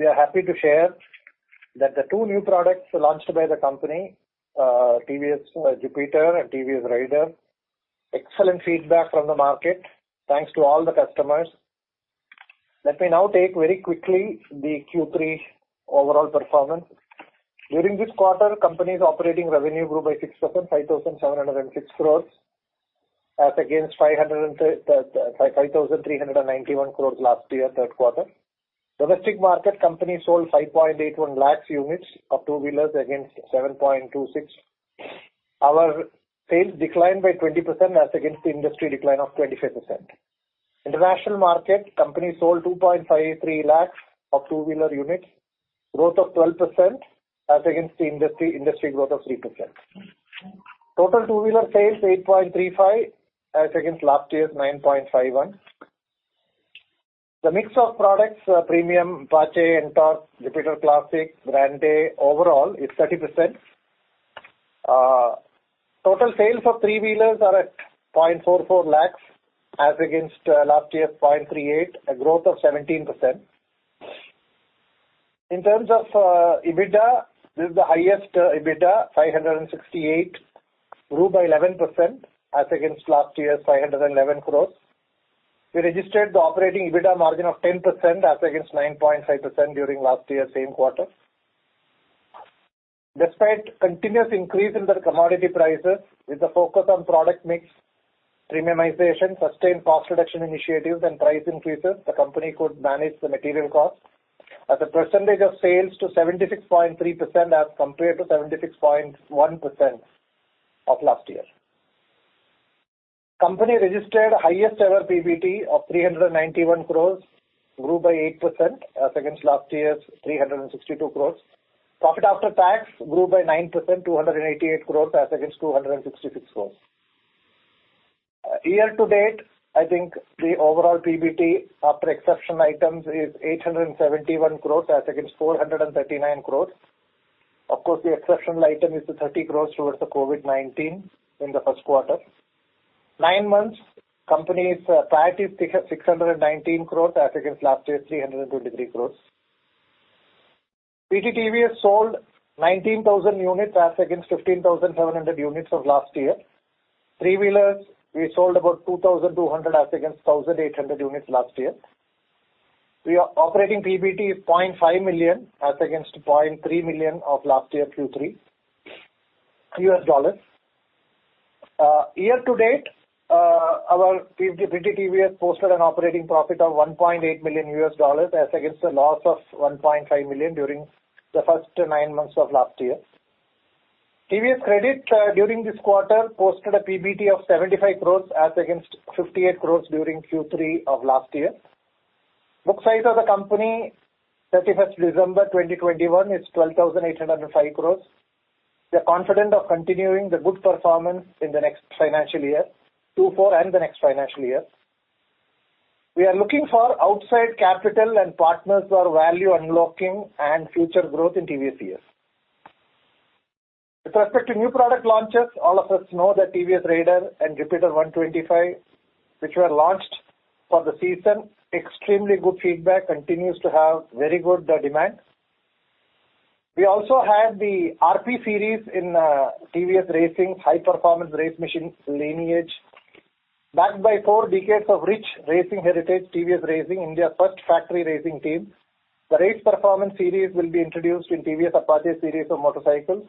We are happy to share that the two new products launched by the company, TVS Jupiter and TVS Raider, excellent feedback from the market. Thanks to all the customers. Let me now take very quickly the Q3 overall performance. During this quarter, company's operating revenue grew by 6%, 5,706 crores as against 5,391 crores last year, third quarter. Domestic market, company sold 5.81 lakhs units of two-wheelers against 7.26. Our sales declined by 20% as against the industry decline of 25%. International market, company sold 2.53 lakhs of two-wheeler units, growth of 12% as against the industry growth of 3%. Total two-wheeler sales, 8.35 as against last year's 9.51. The mix of products are premium Apache, NTORQ, Jupiter Classic, Grande overall is 30%. Total sales of three-wheelers are at 0.44 lakh as against last year's 0.38 lakh, a growth of 17%. In terms of EBITDA, this is the highest EBITDA, 568 crore, grew by 11% as against last year's 511 crore. We registered the operating EBITDA margin of 10% as against 9.5% during last year same quarter. Despite continuous increase in the commodity prices with the focus on product mix, premiumization, sustained cost reduction initiatives, and price increases, the company could manage the material cost as a percentage of sales to 76.3% as compared to 76.1% of last year. Company registered highest ever PBT of 391 crore, grew by 8% as against last year's 362 crore. Profit after tax grew by 9%, 288 crore as against 266 crore. Year to date, I think the overall PBT after exceptional items is 871 crore as against 439 crore. Of course, the exceptional item is the 30 crore towards the COVID-19 in the first quarter. Nine months, company's profit is 619 crore as against last year's 323 crore. PT TVS sold 19,000 units as against 15,700 units of last year. Three-wheelers, we sold about 2,200 as against 1,800 units last year. Our operating PBT is $0.5 million as against $0.3 million of last year Q3. Year to date, our PT TVS posted an operating profit of $1.8 million as against a loss of $1.5 million during the first 9 months of last year. TVS Credit during this quarter posted a PBT of 75 crore as against 58 crore during Q3 of last year. Book size of the company, December 31, 2021 is 12,805 crore. We are confident of continuing the good performance in the next financial year, 2024 and the next financial year. We are looking for outside capital and partners for value unlocking and future growth in TVS EVs. With respect to new product launches, all of us know that TVS Raider and Jupiter 125, which were launched for the season, extremely good feedback, continues to have very good demand. We also have the RP series in TVS Racing's high-performance race machine lineage. Backed by four decades of rich racing heritage, TVS Racing, India's first factory racing team. The Race Performance series will be introduced in TVS Apache series of motorcycles.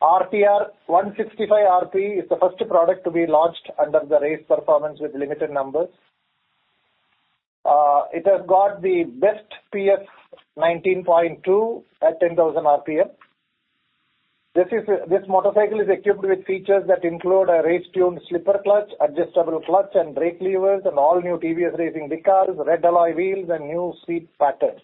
RTR 165 RP is the first product to be launched under the Race Performance with limited numbers. It has got the best PS 19.2 at 10,000 RPM. This motorcycle is equipped with features that include a race-tuned slipper clutch, adjustable clutch and brake levers, an all-new TVS Racing decals, red alloy wheels, and new seat patterns.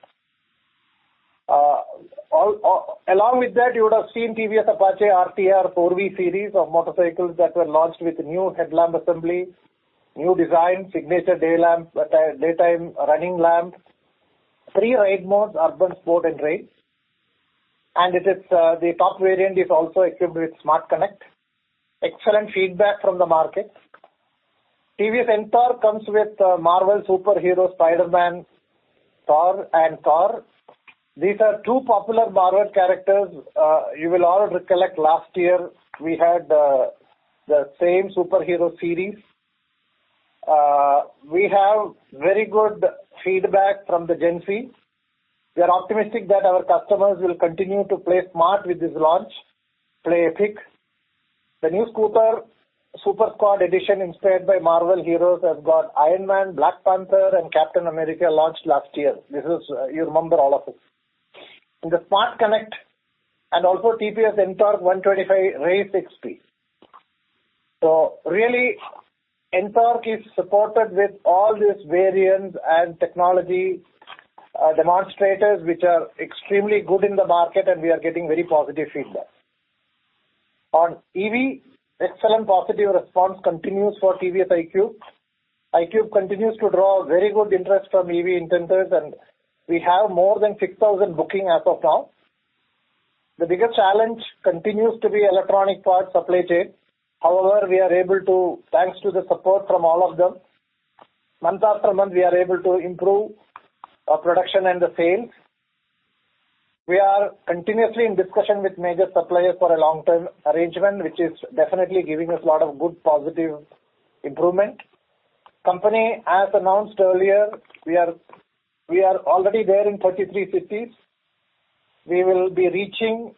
All along with that, you would have seen TVS Apache RTR 4V series of motorcycles that were launched with new headlamp assembly, new design, signature day lamp, daytime running lamp, three ride modes, urban, sport, and race. It is the top variant is also equipped with SmartXonnect. Excellent feedback from the market. TVS NTORQ comes with Marvel superhero Spider-Man, Thor, and Car. These are two popular Marvel characters. You will all recollect last year we had the same superhero series. We have very good feedback from the Gen Z. We are optimistic that our customers will continue to play smart with this launch. Play epic. The new scooter, SuperSquad edition inspired by Marvel heroes has got Iron Man, Black Panther, and Captain America launched last year. This is you remember all of it. In the SmartXonnect and also TVS NTORQ 125 Race XP. Really, NTORQ is supported with all these variants and technology, demonstrators, which are extremely good in the market, and we are getting very positive feedback. On EV, excellent positive response continues for TVS iQube. iQube continues to draw very good interest from EV intenders, and we have more than 6,000 bookings as of now. The biggest challenge continues to be electronic parts supply chain. However, we are able, thanks to the support from all of them, month after month, to improve our production and the sales. We are continuously in discussion with major suppliers for a long-term arrangement, which is definitely giving us a lot of good positive improvement. Company, as announced earlier, we are already there in 33 cities. We will be reaching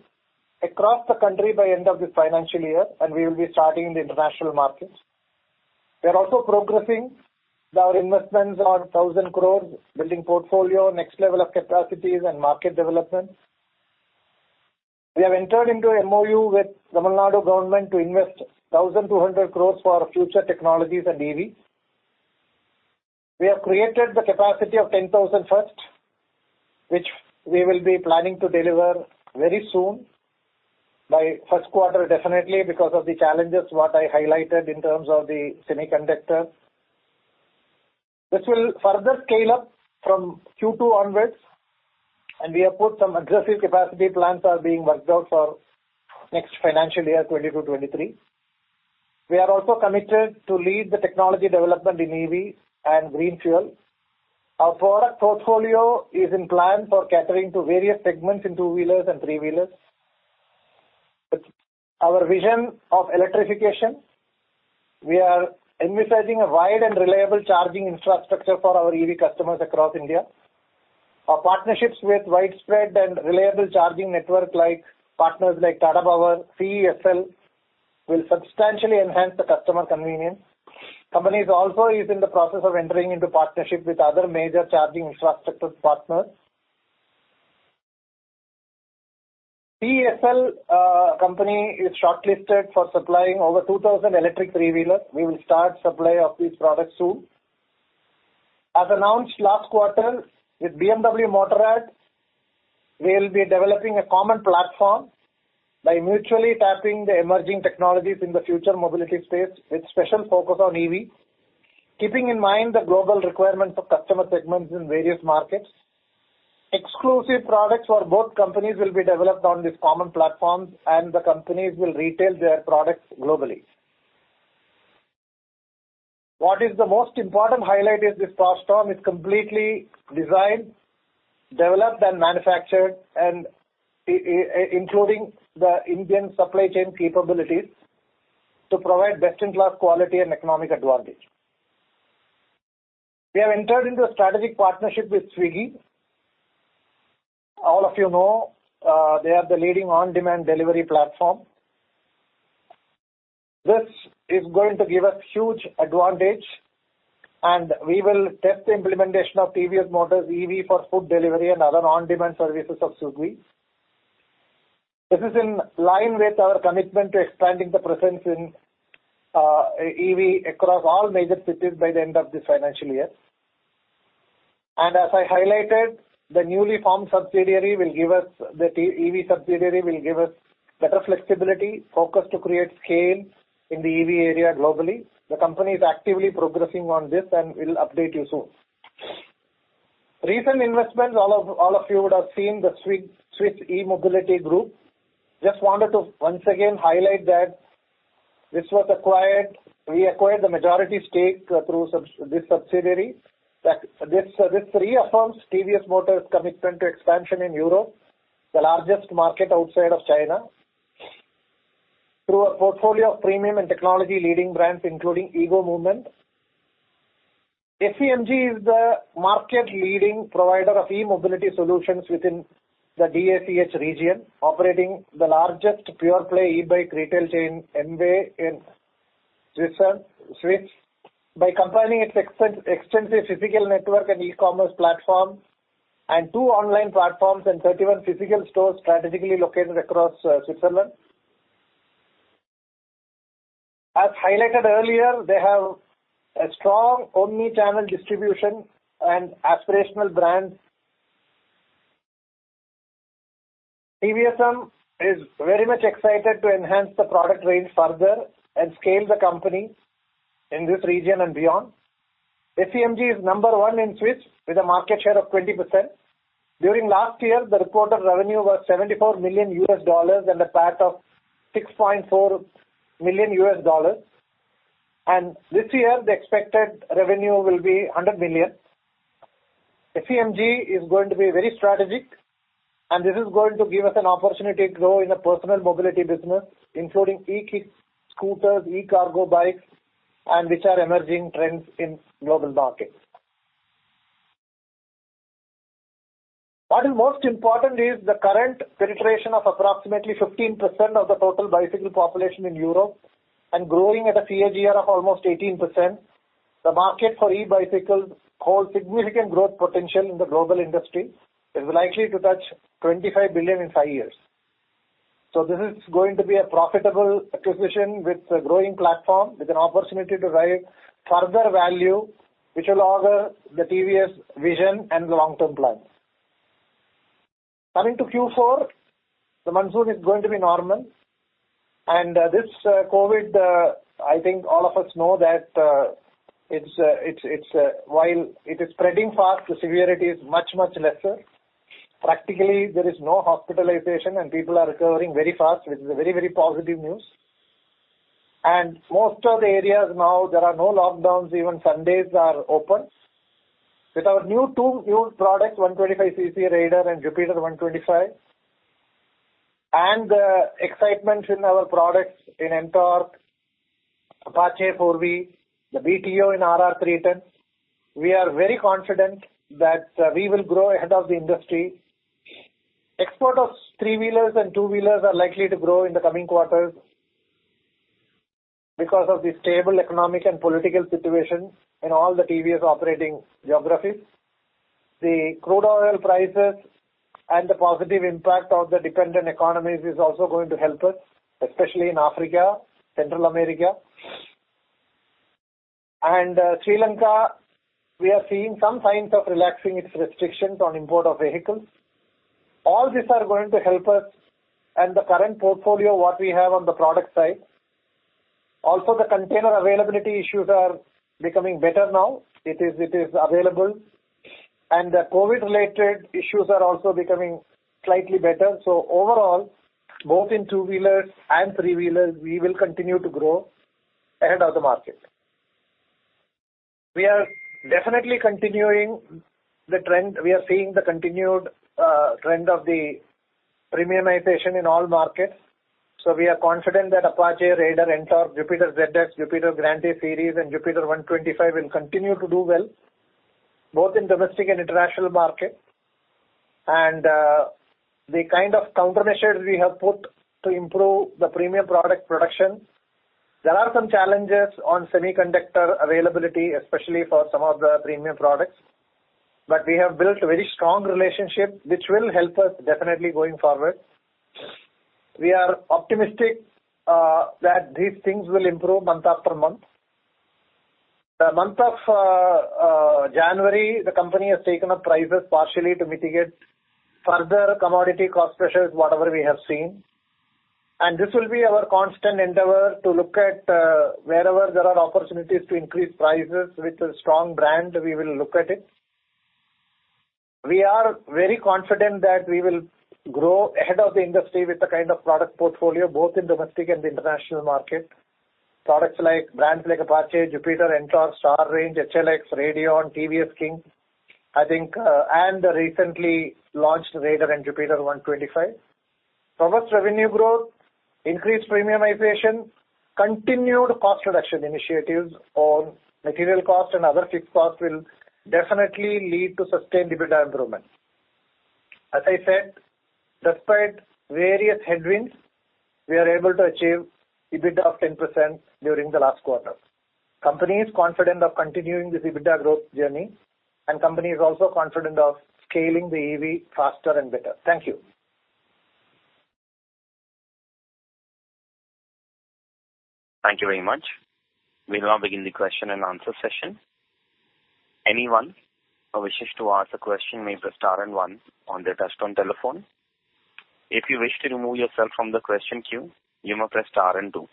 across the country by end of this financial year, and we will be starting the international markets. We are also progressing our investments on 1,000 crore, building portfolio, next level of capacities and market development. We have entered into a MoU with Tamil Nadu government to invest 1,200 crore for future technologies and EVs. We have created the capacity of 10,000 units, which we will be planning to deliver very soon by first quarter definitely because of the challenges what I highlighted in terms of the semiconductor. This will further scale up from Q2 onwards, and we have put some aggressive capacity plans are being worked out for next financial year, 2022-2023. We are also committed to lead the technology development in EV and green fuel. Our product portfolio is planned for catering to various segments in two-wheelers and three-wheelers. Our vision of electrification, we are envisaging a wide and reliable charging infrastructure for our EV customers across India. Our partnerships with widespread and reliable charging network like partners like Tata Power, CESL will substantially enhance the customer convenience. Company is also in the process of entering into partnership with other major charging infrastructure partners. CESL, company is shortlisted for supplying over 2,000 electric three-wheeler. We will start supply of these products soon. As announced last quarter with BMW Motorrad, we'll be developing a common platform by mutually tapping the emerging technologies in the future mobility space, with special focus on EV, keeping in mind the global requirements of customer segments in various markets. Exclusive products for both companies will be developed on these common platforms, and the companies will retail their products globally. What is the most important highlight is this Powerstorm is completely designed, developed and manufactured and including the Indian supply chain capabilities to provide best in class quality and economic advantage. We have entered into a strategic partnership with Swiggy. All of you know, they are the leading on-demand delivery platform. This is going to give us huge advantage, and we will test the implementation of TVS Motor's EV for food delivery and other on-demand services of Swiggy. This is in line with our commitment to expanding the presence in EV across all major cities by the end of this financial year. As I highlighted, the newly formed EV subsidiary will give us better flexibility, focus to create scale in the EV area globally. The company is actively progressing on this, and we'll update you soon. Recent investments, all of you would have seen the Swiss E-Mobility Group. Just wanted to once again highlight that this was acquired. We acquired the majority stake through this subsidiary. This reaffirms TVS Motor's commitment to expansion in Europe, the largest market outside of China. Through a portfolio of premium and technology-leading brands, including EGO Movement. SEMG is the market-leading provider of e-mobility solutions within the DACH region, operating the largest pure-play e-bike retail chain, M-way in Switzerland. By combining its extensive physical network and e-commerce platform and two online platforms and 31 physical stores strategically located across Switzerland. As highlighted earlier, they have a strong omni-channel distribution and aspirational brands. TVS is very much excited to enhance the product range further and scale the company in this region and beyond. SEMG is number one in Switzerland with a market share of 20%. During last year, the reported revenue was $74 million and a PAT of $6.4 million. This year the expected revenue will be $100 million. SEMG is going to be very strategic, and this is going to give us an opportunity to grow in the personal mobility business, including e-scooters, e-cargo bikes, which are emerging trends in global markets. What is most important is the current penetration of approximately 15% of the total bicycle population in Europe and growing at a CAGR of almost 18%. The market for e-bicycles holds significant growth potential in the global industry. It is likely to touch $25 billion in five years. This is going to be a profitable acquisition with a growing platform, with an opportunity to drive further value which will honor the TVS vision and the long term plans. Coming to Q4, the monsoon is going to be normal. This COVID, I think all of us know that it's while it is spreading fast, the severity is much lesser. Practically, there is no hospitalization and people are recovering very fast, which is a very positive news. Most of the areas now there are no lockdowns. Even Sundays are open. With our two new products, 125 cc Raider and Jupiter 125. The excitement in our products in NTORQ, Apache 4V, the BTO in RR 310, we are very confident that we will grow ahead of the industry. Export of three-wheelers and two-wheelers are likely to grow in the coming quarters because of the stable economic and political situation in all the TVS operating geographies. The crude oil prices and the positive impact of the dependent economies is also going to help us, especially in Africa, Central America, Sri Lanka, we are seeing some signs of relaxing its restrictions on import of vehicles. All these are going to help us. The current portfolio, what we have on the product side. Also the container availability issues are becoming better now. It is available. The COVID related issues are also becoming slightly better. Overall, both in two-wheelers and three-wheelers, we will continue to grow ahead of the market. We are definitely continuing the trend. We are seeing the continued trend of the premiumization in all markets. We are confident that Apache, Raider, NTORQ, Jupiter ZX, Jupiter Grande series and Jupiter 125 will continue to do well, both in domestic and international market. The kind of countermeasures we have put to improve the premium product production. There are some challenges on semiconductor availability, especially for some of the premium products. We have built a very strong relationship which will help us definitely going forward. We are optimistic that these things will improve month after month. The month of January, the company has taken up prices partially to mitigate further commodity cost pressures, whatever we have seen. This will be our constant endeavor to look at wherever there are opportunities to increase prices with a strong brand, we will look at it. We are very confident that we will grow ahead of the industry with the kind of product portfolio both in domestic and international market. Products like brands like Apache, Jupiter, NTORQ, Star City, HLX, Radeon, TVS King, I think, and the recently launched Raider and Jupiter 125. Robust revenue growth, increased premiumization, continued cost reduction initiatives on material cost and other fixed costs will definitely lead to sustained EBITDA improvement. As I said, despite various headwinds, we are able to achieve EBITDA of 10% during the last quarter. Company is confident of continuing this EBITDA growth journey, and company is also confident of scaling the EV faster and better. Thank you. Thank you very much. We'll now begin the question and answer session. Anyone who wishes to ask a question may press star and one on their touch-tone telephone. If you wish to remove yourself from the question queue, you may press star and two.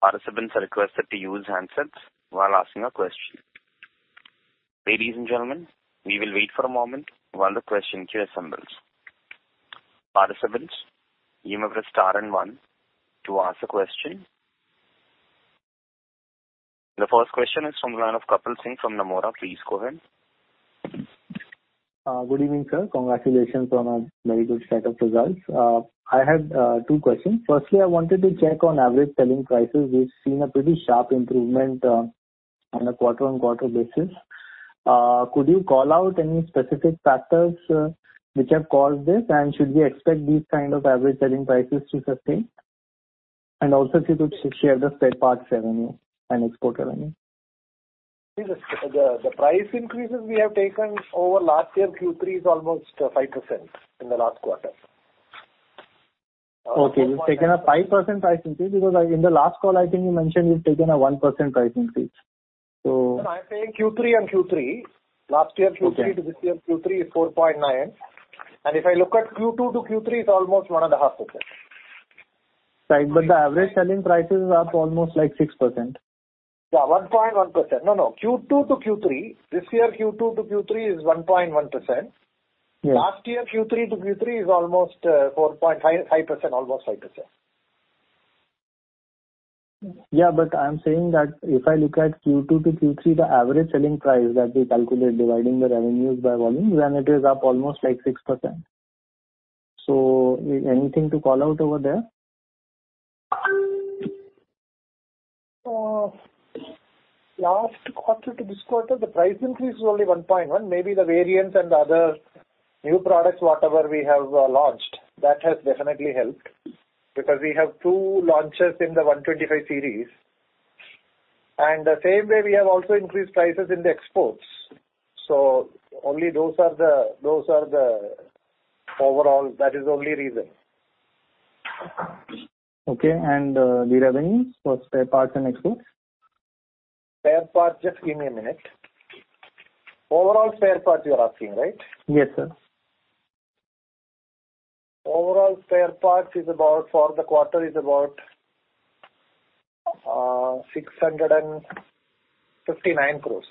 Participants are requested to use handsets while asking a question. Ladies and gentlemen, we will wait for a moment while the question queue assembles. Participants, you may press star and one to ask a question. The first question is from the line of Kapil Singh from Nomura. Please go ahead. Good evening, sir. Congratulations on a very good set of results. I had two questions. Firstly, I wanted to check on average selling prices. We've seen a pretty sharp improvement on a quarter-on-quarter basis. Could you call out any specific factors which have caused this? And should we expect these kind of average selling prices to sustain? And also if you could share the spare parts revenue and export revenue. The price increases we have taken over last year. Q3 is almost 5% in the last quarter. Okay. You've taken a 5% price increase. Because, in the last call, I think you mentioned you've taken a 1% price increase. No, I'm saying Q3 and Q3. Last year Q3 to this year Q3 is 4.9%. If I look at Q2 to Q3, it's almost 1.5%. Right. The average selling price is up almost like 6%. Yeah, 1.1%. No, no. Q2 to Q3. This year, Q2 to Q3 is 1.1%. Yes. Last year, Q3 to Q3 is almost 4.5%. Almost 5%. Yeah. I'm saying that if I look at Q2 to Q3, the average selling price that we calculate dividing the revenues by volume, then it is up almost like 6%. Anything to call out over there? Last quarter to this quarter, the price increase is only 1.1%. Maybe the variance and the other new products, whatever we have launched, that has definitely helped. Because we have 2 launches in the 125 series. The same way we have also increased prices in the exports. Only those are the overall. That is the only reason. Okay. The revenues for spare parts and exports? Spare part, just give me a minute. Overall spare parts you're asking, right? Yes, sir. Overall spare parts for the quarter is about INR 659 crores.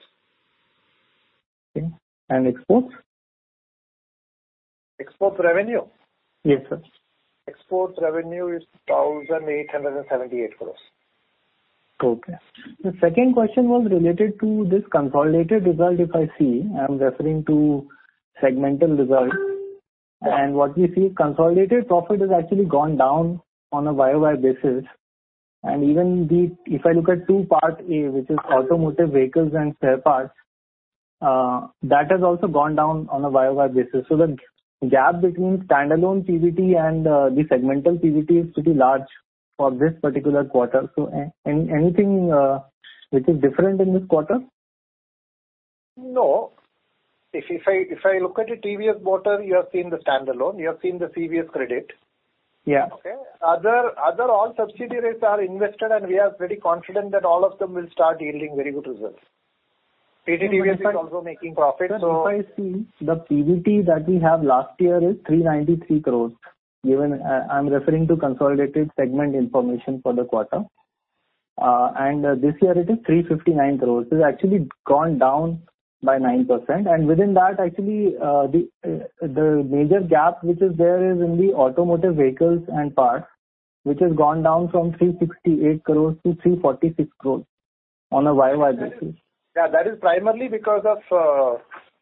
Okay. Exports? Exports revenue? Yes, sir. Export revenue is 1,878 crore. Okay. The second question was related to this consolidated result if I see. I'm referring to segmental results. What we see, consolidated profit has actually gone down on a year-over-year basis. Even if I look at two parts A, which is automotive vehicles and spare parts, that has also gone down on a year-over-year basis. The gap between standalone PBT and the segmental PBT is pretty large for this particular quarter. Anything which is different in this quarter? No. If I look at the TVS Motor, you have seen the standalone, you have seen the TVS Credit. Yeah. Okay? Other all subsidiaries are invested, and we are very confident that all of them will start yielding very good results. PT TVS is also making profit, so- Sir, if I see, the PBT that we have last year is 393 crores. I'm referring to consolidated segment information for the quarter. This year it is 359 crores. This has actually gone down by 9%. Within that, actually, the major gap which is there is in the automotive vehicles and parts, which has gone down from 368 crores to 346 crores on a YOY basis. Yeah, that is primarily because of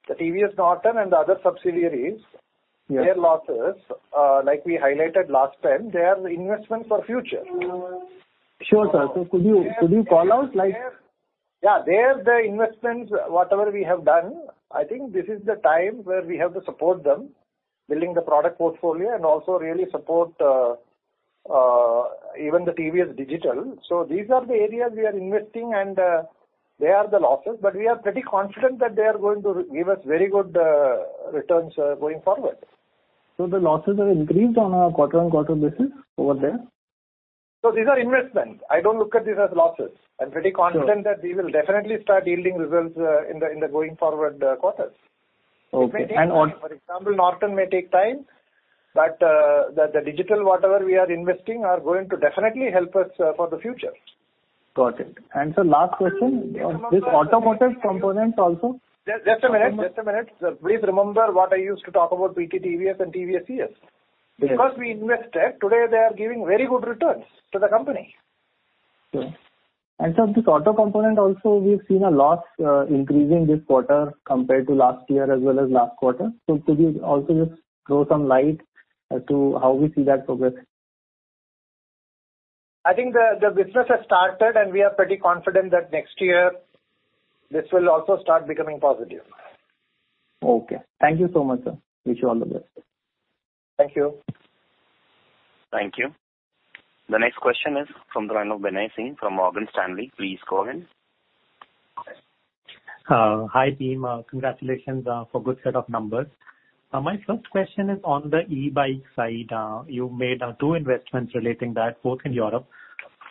the TVS Norton and the other subsidiaries. Yeah. Their losses, like we highlighted last time, they are investment for future. Sure, sir. Could you call out like? Yeah. They are the investments, whatever we have done. I think this is the time where we have to support them, building the product portfolio and also really support even the TVS Digital. These are the areas we are investing and they are the losses. We are pretty confident that they are going to give us very good returns going forward. The losses have increased on a quarter-on-quarter basis over there? These are investments. I don't look at these as losses. Sure. I'm pretty confident that we will definitely start yielding results in the going forward quarters. Okay. It may take time. For example, Norton may take time, but the digital whatever we are investing are going to definitely help us for the future. Got it. Sir, last question. This automotive component also- Just a minute. Please remember what I used to talk about PT TVS and TVS EVs. Yes. Because we invested, today they are giving very good returns to the company. Sure. Sir, this auto component also we've seen a loss increase in this quarter compared to last year as well as last quarter. Could you also just throw some light as to how we see that progressing? I think the business has started, and we are pretty confident that next year this will also start becoming positive. Okay. Thank you so much, sir. Wish you all the best. Thank you. Thank you. The next question is from the line of Binay Singh from Morgan Stanley. Please go ahead. Hi, team. Congratulations for good set of numbers. My first question is on the e-bike side. You made two investments relating to that, both in Europe.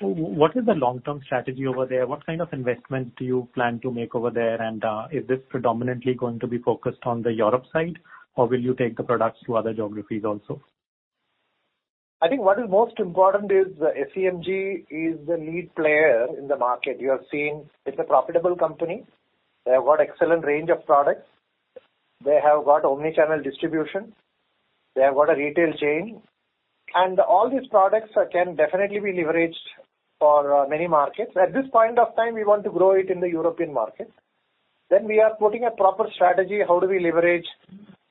What is the long-term strategy over there? What kind of investment do you plan to make over there? Is this predominantly going to be focused on the Europe side, or will you take the products to other geographies also? I think what is most important is the SEMG is the lead player in the market. You have seen it's a profitable company. They have got excellent range of products. They have got omni-channel distribution. They have got a retail chain. All these products can definitely be leveraged for many markets. At this point of time, we want to grow it in the European market. We are putting a proper strategy, how do we leverage.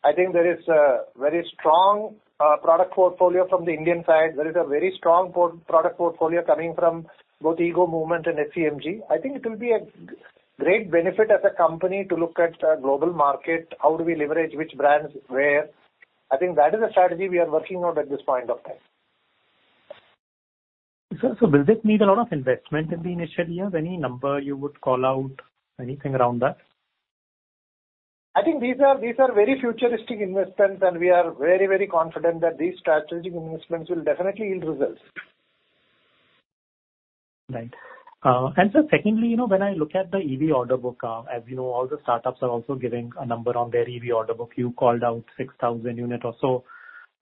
I think there is a very strong product portfolio from the Indian side. There is a very strong product portfolio coming from both EGO Movement and SEMG. I think it will be a great benefit as a company to look at global market, how do we leverage which brands where. I think that is the strategy we are working on at this point of time. Does it need a lot of investment in the initial years? Any number you would call out, anything around that? I think these are very futuristic investments, and we are very, very confident that these strategic investments will definitely yield results. Right. Sir, secondly, you know, when I look at the EV order book, as you know, all the startups are also giving a number on their EV order book. You called out 6,000 unit or so.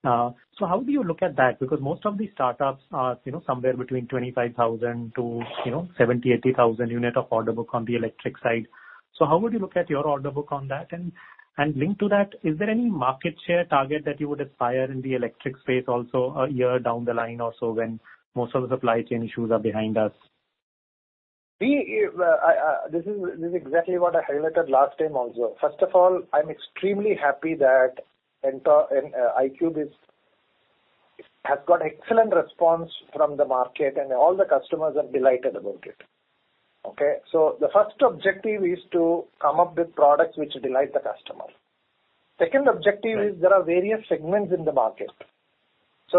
So how do you look at that? Because most of these startups are, you know, somewhere between 25,000 to, you know, 70,000-80,000 unit of order book on the electric side. How would you look at your order book on that? Linked to that, is there any market share target that you would aspire in the electric space also a year down the line or so when most of the supply chain issues are behind us? Well, this is exactly what I highlighted last time also. First of all, I'm extremely happy that iQube has got excellent response from the market and all the customers are delighted about it. Okay? The first objective is to come up with products which delight the customer. Second objective is there are various segments in the market.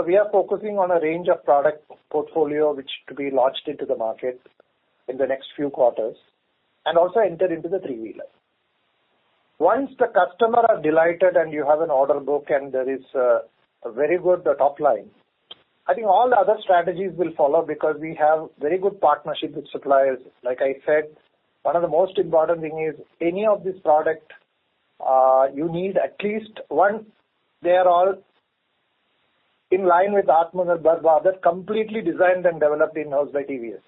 We are focusing on a range of product portfolio which to be launched into the market in the next few quarters and also enter into the three-wheeler. Once the customer are delighted and you have an order book and there is a very good top line, I think all the other strategies will follow because we have very good partnership with suppliers. Like I said, one of the most important thing is any of this product, you need at least once they are all in line with Atmanirbhar, that's completely designed and developed in-house by TVS.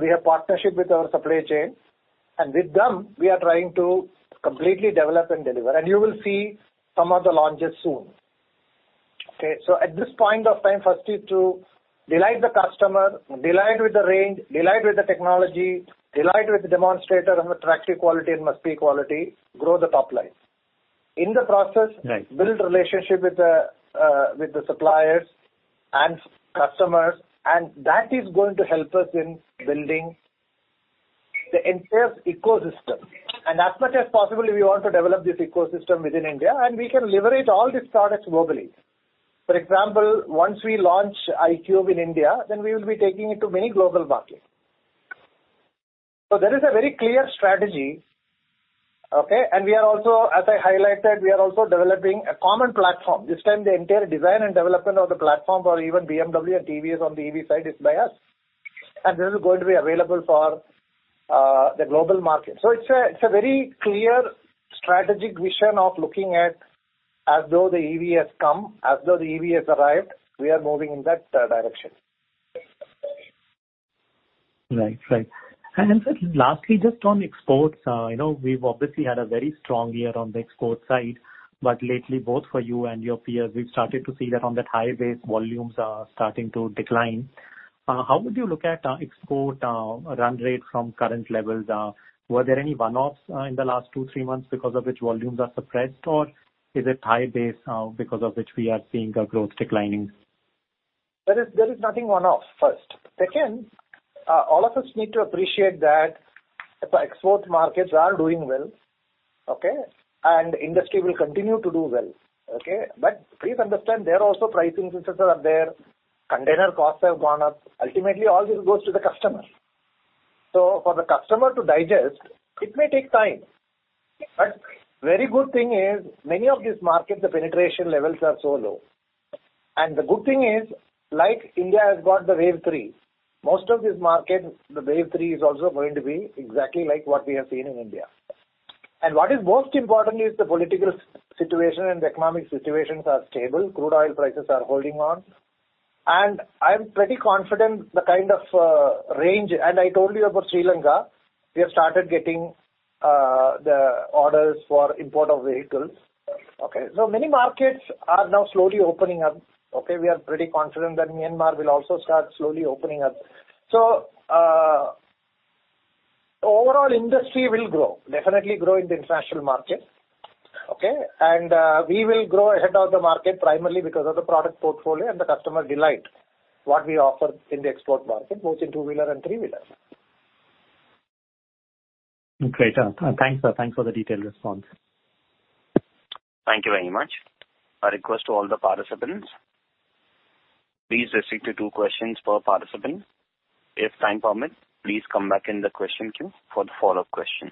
We have partnership with our supply chain. With them, we are trying to completely develop and deliver. You will see some of the launches soon. Okay? At this point of time, firstly to delight the customer, delight with the range, delight with the technology, delight with the demonstrator and the traction quality and must-be quality, grow the top line. In the process- Right. Build relationship with the suppliers and customers, and that is going to help us in building the entire ecosystem. As much as possible, we want to develop this ecosystem within India, and we can leverage all these products globally. For example, once we launch iQube in India, then we will be taking it to many global markets. There is a very clear strategy. Okay? We are also, as I highlighted, developing a common platform. This time the entire design and development of the platform for even BMW and TVS on the EV side is by us. This is going to be available for the global market. It's a very clear strategic vision of looking at as though the EV has come, as though the EV has arrived. We are moving in that direction. Right. Lastly, just on exports, you know, we've obviously had a very strong year on the export side, but lately, both for you and your peers, we've started to see that on that high base, volumes are starting to decline. How would you look at export run rate from current levels? Were there any one-offs in the last two, three months because of which volumes are suppressed? Or is it high base because of which we are seeing the growth declining? There is nothing one-off, first. Second, all of us need to appreciate that the export markets are doing well, okay? Industry will continue to do well. Okay? Please understand there are also pricing pressures. Container costs have gone up. Ultimately, all this goes to the customer. For the customer to digest, it may take time. Very good thing is many of these markets, the penetration levels are so low. The good thing is, like India has got the wave three, most of these markets, the wave three is also going to be exactly like what we have seen in India. What is most important is the political situation and the economic situations are stable. Crude oil prices are holding on. I'm pretty confident the kind of range. I told you about Sri Lanka. We have started getting the orders for import of vehicles. Many markets are now slowly opening up. We are pretty confident that Myanmar will also start slowly opening up. Overall industry will grow, definitely grow in the international market. We will grow ahead of the market primarily because of the product portfolio and the customer delight, what we offer in the export market, both in two-wheeler and three-wheeler. Great. Thanks. Thanks for the detailed response. Thank you very much. A request to all the participants. Please restrict to two questions per participant. If time permit, please come back in the question queue for the follow-up question.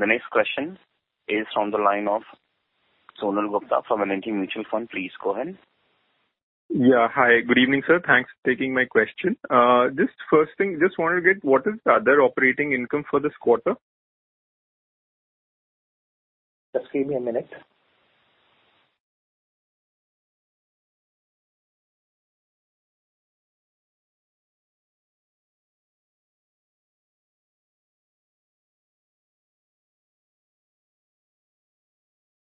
The next question is from the line of Sonal Gupta from HDFC Mutual Fund. Please go ahead. Yeah. Hi. Good evening, sir. Thanks for taking my question. Just first thing, just want to get what is the other operating income for this quarter? Just give me a minute.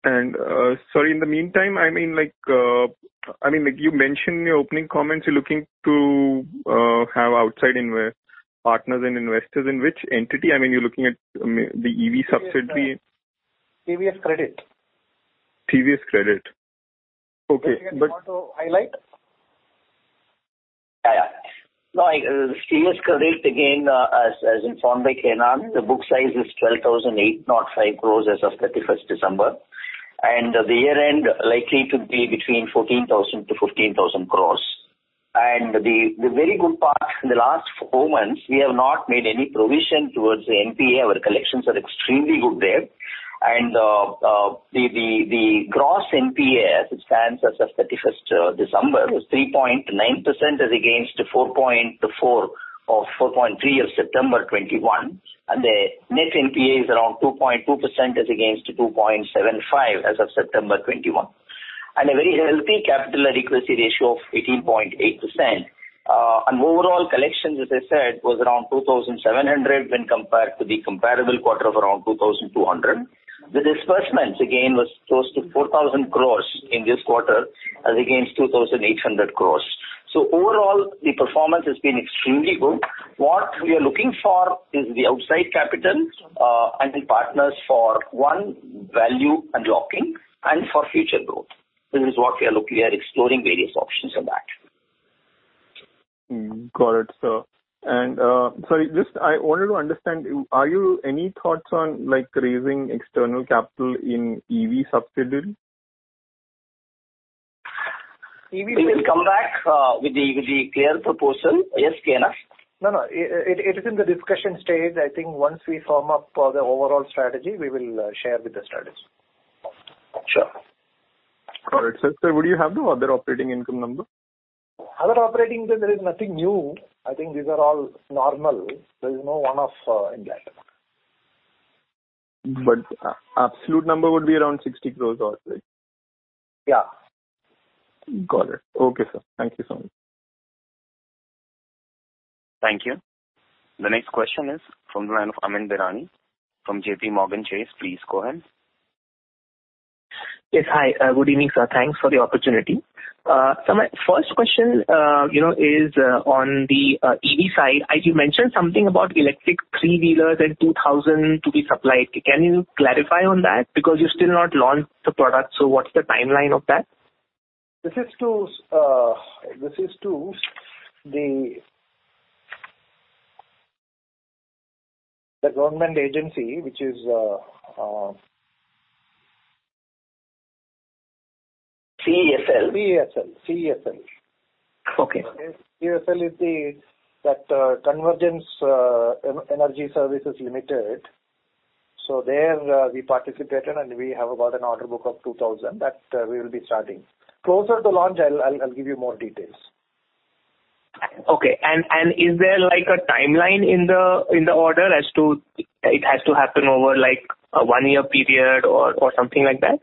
Sorry, in the meantime, I mean, like you mentioned in your opening comments, you're looking to have outside partners and investors. In which entity? I mean, you're looking at the EV subsidiary. TVS Credit. TVS Credit. Okay. Anything you want to highlight? Yeah. No, TVS Credit, again, as informed by K. N. Radhakrishnan, the book size is 12,805 crores as of 31 December. The very good part in the last four months, we have not made any provision towards the NPA. Our collections are extremely good there. The gross NPA as it stands as of 31 December was 3.9% as against 4.4% or 4.3% of September 2021. The net NPA is around 2.2% as against 2.75% as of September 2021. A very healthy capital adequacy ratio of 18.8%. Overall collections, as I said, was around 2,700 when compared to the comparable quarter of around 2,200. The disbursements again was close to 4,000 crore in this quarter as against 2,800 crore. Overall, the performance has been extremely good. What we are looking for is the outside capital and the partners for, one, value unlocking and for future growth. This is what we are looking at, exploring various options on that. Got it, sir. Sorry, just I wanted to understand, do you have any thoughts on like raising external capital in EV subsidiary? We will come back with the clear proposal. Yes, K. N. Radhakrishnan? No, no. It is in the discussion stage. I think once we firm up the overall strategy, we will share with the strategists. Sure. Got it. Sir, would you have the other operating income number? Other operating, there is nothing new. I think these are all normal. There is no one-off in that. Absolute number would be around 60 crore or so? Yeah. Got it. Okay, sir. Thank you so much. Thank you. The next question is from the line of Aman Birani from JPMorgan Chase. Please go ahead. Yes. Hi. Good evening, sir. Thanks for the opportunity. My first question, you know, is on the EV side. As you mentioned something about electric three-wheelers and 2000 to be supplied, can you clarify on that? Because you've still not launched the product, so what's the timeline of that? This is to the government agency, which is CESL. CESL. Okay. CESL is the Convergence Energy Services Limited. There we participated, and we have about an order book of 2,000 that we will be starting. Closer to launch, I'll give you more details. Okay. Is there like a timeline in the order as to it has to happen over, like, a one-year period or something like that?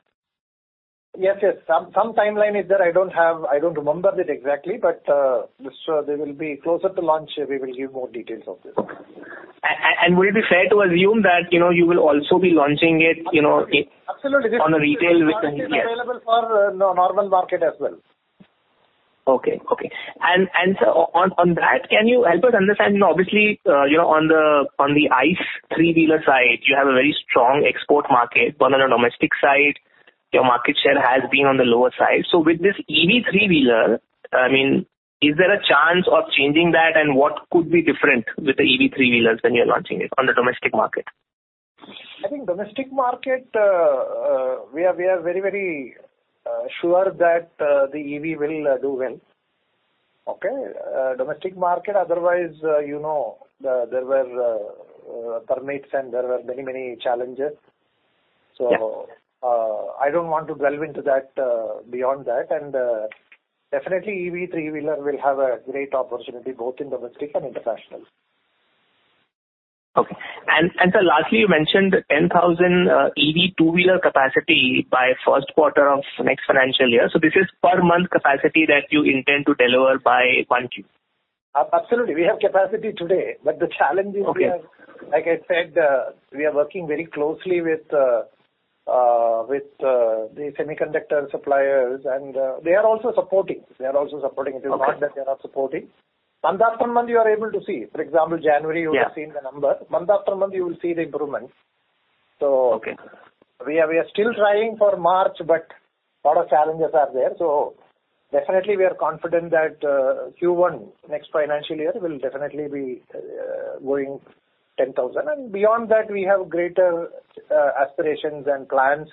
Yes, yes. Some timeline is there. I don't remember it exactly, but there will be closer to launch. We will give more details of this. Would it be fair to assume that, you know, you will also be launching it, you know, it- Absolutely. On a retail basis, yes. This vehicle is available for normal market as well. Can you help us understand, you know, obviously, you know, on the ICE three-wheeler side, you have a very strong export market. On a domestic side, your market share has been on the lower side. With this EV three-wheeler, I mean, is there a chance of changing that? What could be different with the EV three-wheelers when you're launching it on the domestic market? I think domestic market, we are very sure that the EV will do well. Okay? Domestic market, otherwise, you know, there were permits and there were many challenges. Yeah. I don't want to delve into that beyond that. Definitely EV three-wheeler will have a great opportunity, both in domestic and international. Sir, lastly, you mentioned 10,000 EV two-wheeler capacity by first quarter of next financial year. This is per month capacity that you intend to deliver by 1Q? Absolutely. We have capacity today, but the challenge is Okay. Like I said, we are working very closely with the semiconductor suppliers, and they are also supporting. Okay. It is not that they are not supporting. Month after month, you are able to see. For example, January. Yeah. You would have seen the number. Month after month, you will see the improvements. Okay. We are still trying for March, but lot of challenges are there. Definitely we are confident that Q1 next financial year will definitely be going 10,000. Beyond that, we have greater aspirations and plans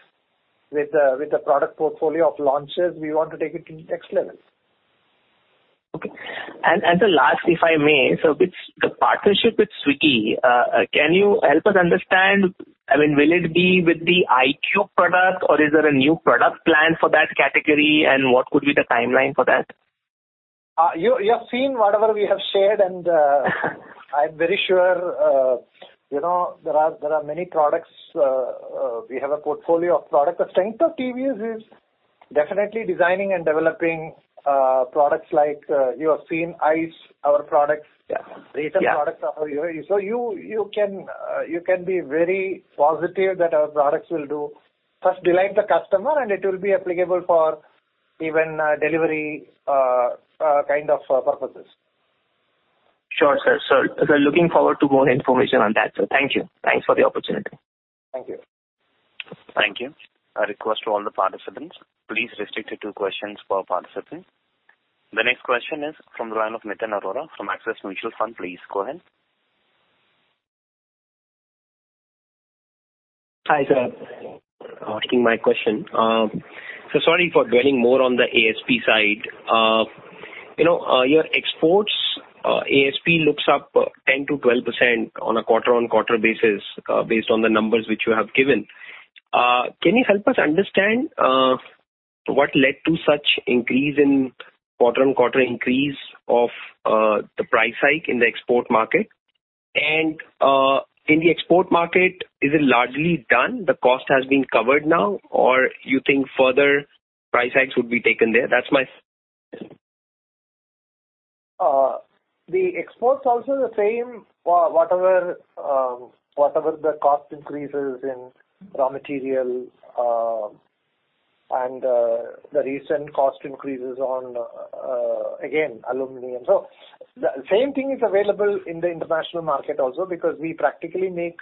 with the product portfolio of launches. We want to take it to next level. Sir, last, if I may, with the partnership with Swiggy, can you help us understand? I mean, will it be with the iQube product or is there a new product plan for that category? What could be the timeline for that? You have seen whatever we have shared. I'm very sure, you know, there are many products. We have a portfolio of products. The strength of TVS is definitely designing and developing products like you have seen ICE, our products. Yeah. Yeah. Recent products are very. You can be very positive that our products will first delight the customer, and it will be applicable for even delivery kind of purposes. Sure, sir. Looking forward to more information on that, sir. Thank you. Thanks for the opportunity. Thank you. Thank you. A request to all the participants, please restrict it to questions per participant. The next question is from the line of Nitin Arora from Axis Mutual Fund. Please go ahead. Hi, sir. Asking my question. Sorry for dwelling more on the ASP side. You know, your exports, ASP looks up 10%-12% on a quarter-on-quarter basis, based on the numbers which you have given. Can you help us understand what led to such quarter-on-quarter increase of the price hike in the export market? In the export market, is it largely done? The cost has been covered now or you think further price hikes would be taken there? That's my- The exports also the same. Whatever the cost increases in raw material, and the recent cost increases on aluminum. The same thing is available in the international market also because we practically make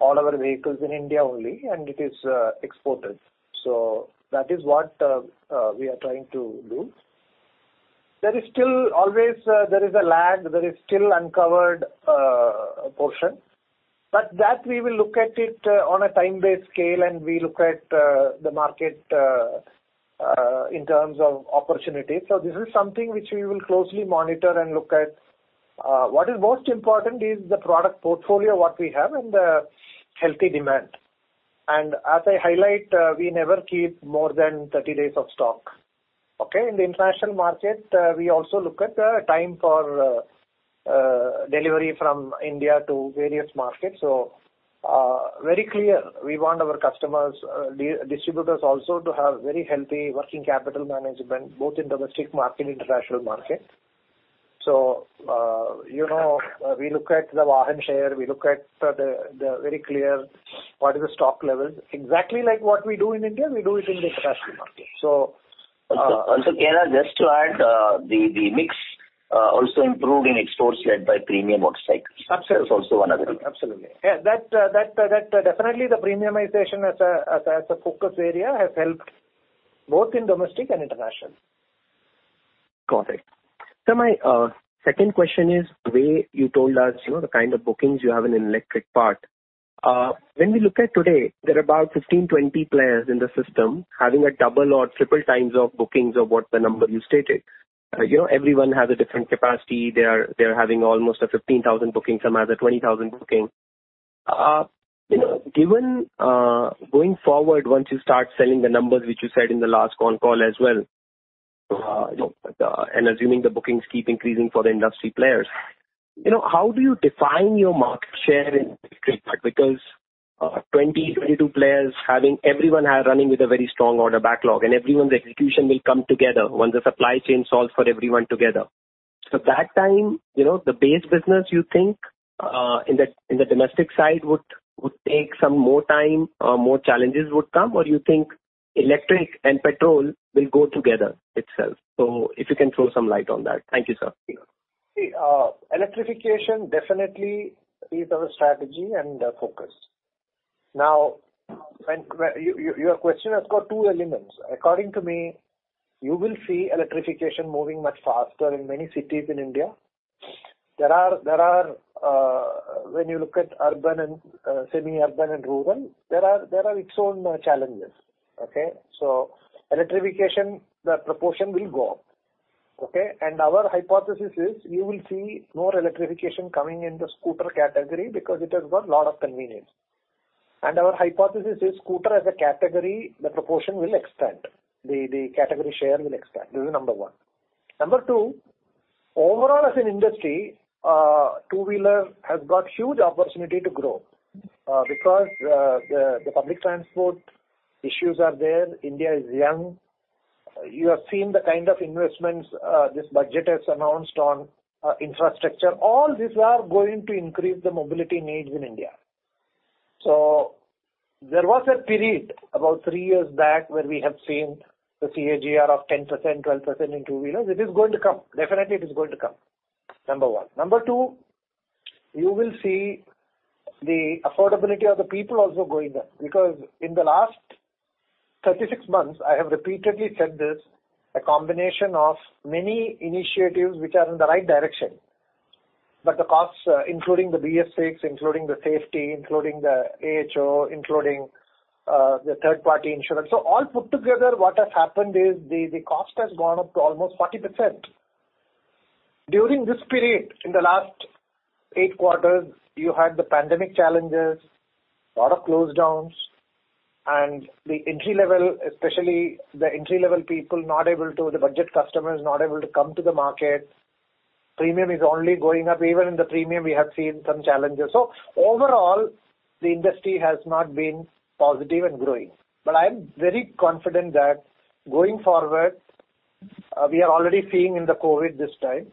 all our vehicles in India only, and it is exported. That is what we are trying to do. There is still always a lag. There is still uncovered portion, but that we will look at it on a time-based scale, and we look at the market in terms of opportunity. This is something which we will closely monitor and look at. What is most important is the product portfolio, what we have and the healthy demand. As I highlight, we never keep more than 30 days of stock. Okay? In the international market, we also look at the time for delivery from India to various markets. Very clear we want our customers, distributors also to have very healthy working capital management, both in domestic market and international market. You know, we look at the volume share, we look at the very clear, what is the stock levels. Exactly like what we do in India, we do it in the international market. Also, K.N., just to add, the mix also improved in exports led by premium motorcycles. Absolutely. That's also another thing. Absolutely. Yes. That definitely the premiumization as a focus area has helped both in domestic and international. Got it. My second question is, the way you told us, you know, the kind of bookings you have in electric part. When we look at today, there are about 15, 20 players in the system having a double or triple times of bookings of what the number you stated. You know, everyone has a different capacity. They are having almost a 15,000 booking. Some has a 20,000 booking. You know, given, going forward, once you start selling the numbers, which you said in the last con call as well, you know, and assuming the bookings keep increasing for the industry players. You know, how do you define your market share in electric part? Because two-wheeler players have been running with a very strong order backlog, and everyone's execution will come together once the supply chain solves for everyone together. At that time, you know, the base business you think in the domestic side would take some more time or more challenges would come, or you think electric and petrol will go together itself. If you can throw some light on that? Thank you, sir. See, electrification definitely is our strategy and focus. Now, your question has got two elements. According to me, you will see electrification moving much faster in many cities in India. There are, when you look at urban and semi-urban and rural, there are its own challenges. Okay. Electrification, the proportion will go up. Okay. Our hypothesis is you will see more electrification coming in the scooter category because it has got lot of convenience. Our hypothesis is scooter as a category, the proportion will expand. The category share will expand. This is number 1. Number 2, overall, as an industry, two-wheeler has got huge opportunity to grow, because the public transport issues are there. India is young. You have seen the kind of investments this budget has announced on infrastructure. All these are going to increase the mobility needs in India. There was a period about 3 years back where we have seen the CAGR of 10%, 12% in two-wheelers. It is going to come. Definitely it is going to come. Number one. Number two, you will see the affordability of the people also going down, because in the last 36 months, I have repeatedly said this, a combination of many initiatives which are in the right direction. The costs, including the BS-VI, including the safety, including the AHO, including the third party insurance. All put together, what has happened is the cost has gone up to almost 40%. During this period, in the last eight quarters, you had the pandemic challenges, a lot of lockdowns and the entry level, especially the entry level people, the budget customers not able to come to the market. Premium is only going up. Even in the premium, we have seen some challenges. Overall, the industry has not been positive and growing. I am very confident that going forward, we are already seeing in the COVID this time.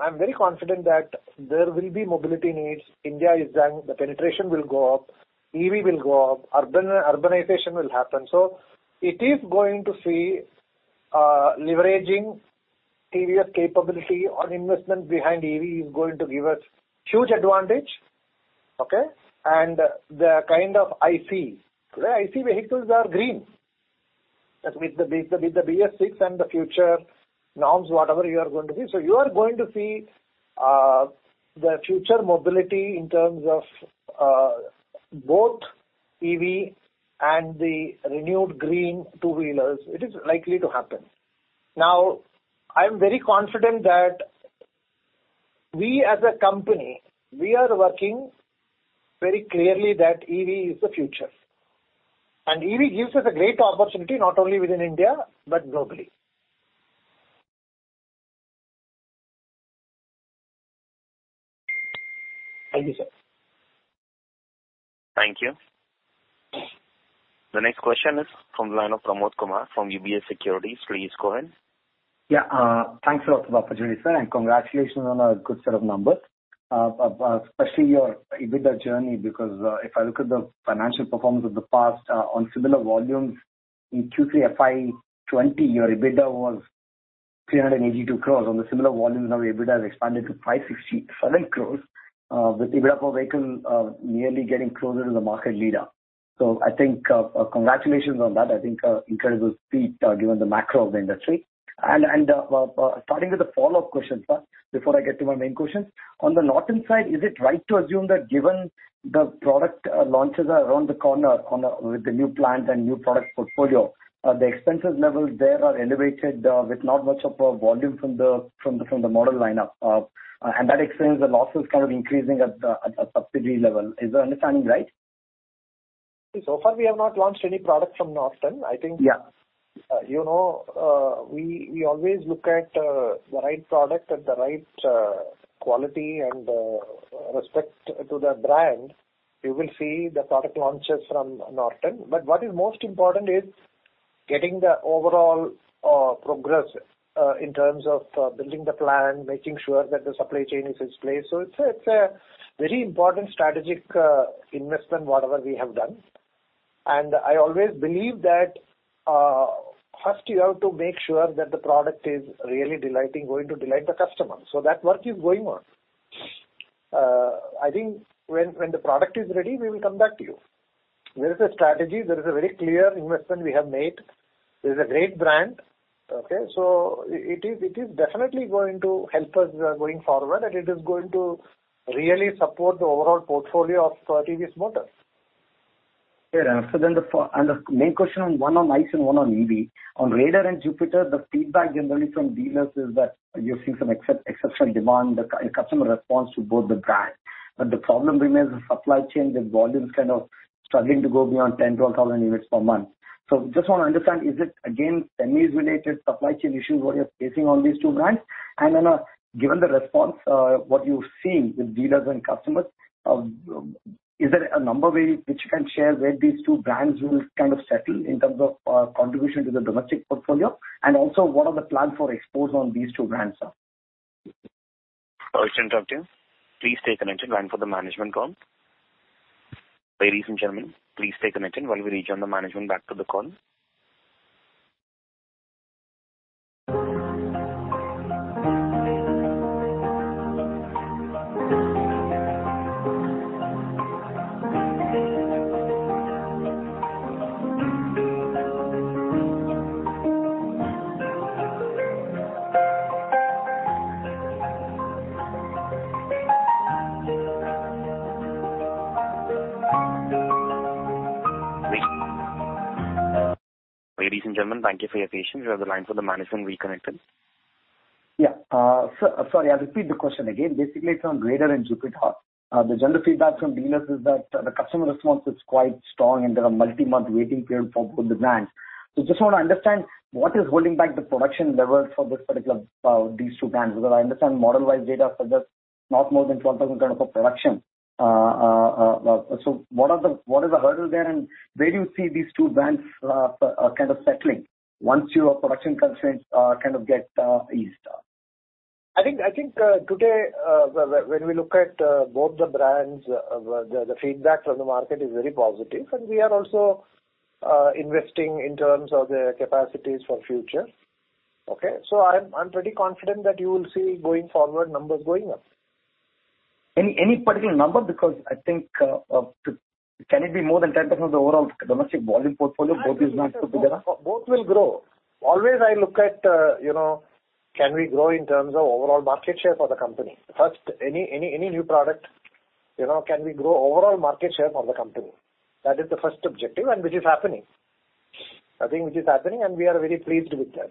I'm very confident that there will be mobility needs. India is young, the penetration will go up, EV will go up, urbanization will happen. It is going to see leveraging previous capability on investment behind EV is going to give us huge advantage. Okay? The kind of ICE. Today ICE vehicles are green. With the BS-VI and the future norms, whatever you are going to be. You are going to see the future mobility in terms of both EV and the renewed green two-wheelers. It is likely to happen. Now, I am very confident that we as a company are working very clearly that EV is the future. EV gives us a great opportunity not only within India but globally. Thank you, sir. Thank you. Thank you. The next question is from the line of Pramod Kumar from UBS Securities. Please go ahead. Yeah. Thanks a lot for the opportunity, sir, and congratulations on a good set of numbers. Especially your EBITDA journey, because if I look at the financial performance of the past, on similar volumes in Q3 FY 2020, your EBITDA was 382 crores. On the similar volumes now your EBITDA has expanded to 567 crores. With EBITDA per vehicle nearly getting closer to the market leader. I think congratulations on that. I think incredible feat given the macro of the industry. Starting with the follow-up question, sir, before I get to my main question. On the Norton side, is it right to assume that given the product launches are around the corner with the new plant and new product portfolio, the expenses levels there are elevated with not much of a volume from the model lineup. That explains the losses kind of increasing at the subsidiary level. Is our understanding right? So far we have not launched any product from Norton. Yeah. I think, you know, we always look at the right product at the right quality and respect to the brand. You will see the product launches from Norton. What is most important is getting the overall progress in terms of building the plan, making sure that the supply chain is in place. It's a very important strategic investment, whatever we have done. I always believe that first you have to make sure that the product is really delighting, going to delight the customer. That work is going on. I think when the product is ready, we will come back to you. There is a strategy. There is a very clear investment we have made. This is a great brand. Okay? It is definitely going to help us going forward, and it is going to really support the overall portfolio of TVS Motors. The main question, one on ICE and one on EV. On Raider and Jupiter, the feedback generally from dealers is that you're seeing some exceptional demand, the customer response to both the brands. The problem remains the supply chain, the volume is kind of struggling to go beyond 10-12,000 units per month. Just want to understand, is it again semis-related supply chain issues what you're facing on these two brands? Given the response, what you've seen with dealers and customers, is there a number which you can share where these two brands will kind of settle in terms of contribution to the domestic portfolio? What are the plans for exports on these two brands, sir? Please take a minute line for the management call. Ladies and gentlemen, please take a minute while we return the management back to the call. Ladies and gentlemen, thank you for your patience. We have the line for the management reconnected. Sorry, I'll repeat the question again. Basically it's on Raider and Jupiter. The general feedback from dealers is that the customer response is quite strong, and there are multi-month waiting period for both the brands. I just want to understand what is holding back the production levels for this particular, these two brands. Because I understand model-wise data suggests not more than 12,000 kind of a production. What is the hurdle there, and where do you see these two brands kind of settling once your production constraints kind of get eased? I think today when we look at both the brands the feedback from the market is very positive and we are also investing in terms of the capacities for future. Okay. So I'm pretty confident that you will see going forward numbers going up. Any particular number? Because I think, can it be more than 10% of the overall domestic volume portfolio, both these brands put together? Both will grow. Always I look at, you know, can we grow in terms of overall market share for the company? First, any new product, you know, can we grow overall market share for the company? That is the first objective and which is happening. I think which is happening, and we are very pleased with that.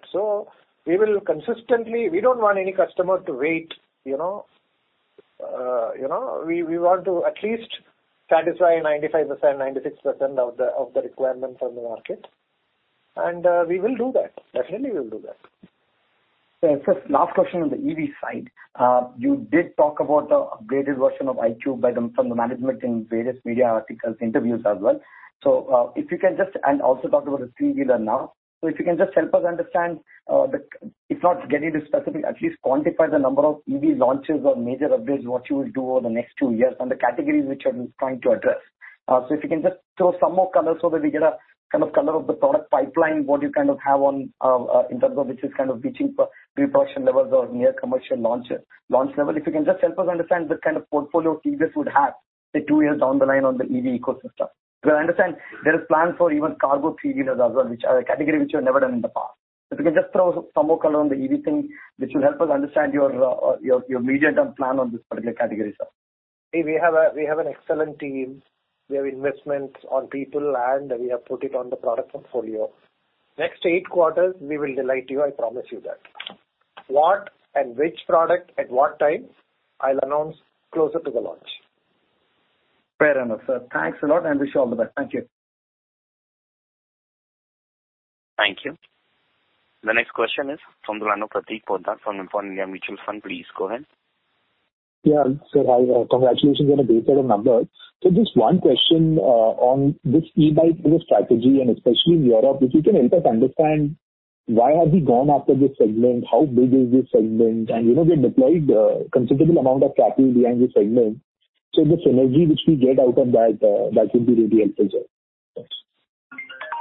We will consistently. We don't want any customer to wait, you know. You know, we want to at least satisfy 95%, 96% of the requirement from the market. We will do that. Definitely we will do that. Sir, last question on the EV side. You did talk about the upgraded version of iQube from the management in various media articles, interviews as well. Also talk about the three-wheeler now. If you can just help us understand, if not get into specifics, at least quantify the number of EV launches or major updates what you will do over the next two years and the categories which you are trying to address. If you can just throw some more color so that we get a kind of color of the product pipeline, what you kind of have on in terms of which is kind of reaching pre-production levels or near commercial launch level. If you can just help us understand the kind of portfolio TVS would have, say, two years down the line on the EV ecosystem. Because I understand there is plans for even cargo three-wheelers as well, which are a category which you have never done in the past. If you can just throw some more color on the EV thing, which will help us understand your medium-term plan on this particular category, sir. We have an excellent team. We have investments on people, and we have put it on the product portfolio. Next eight quarters, we will delight you, I promise you that. What and which product at what time, I'll announce closer to the launch. Fair enough, sir. Thanks a lot and I wish you all the best. Thank you. Thank you. The next question is from the line of Prateek Poddar from Invesco Mutual Fund. Please go ahead. Sir, hi. Congratulations on a great set of numbers. Just one question on this e-bike kind of strategy and especially in Europe. If you can help us understand why have we gone after this segment? How big is this segment? You know, we have deployed a considerable amount of capital behind this segment. The synergy which we get out of that will be really helpful, sir.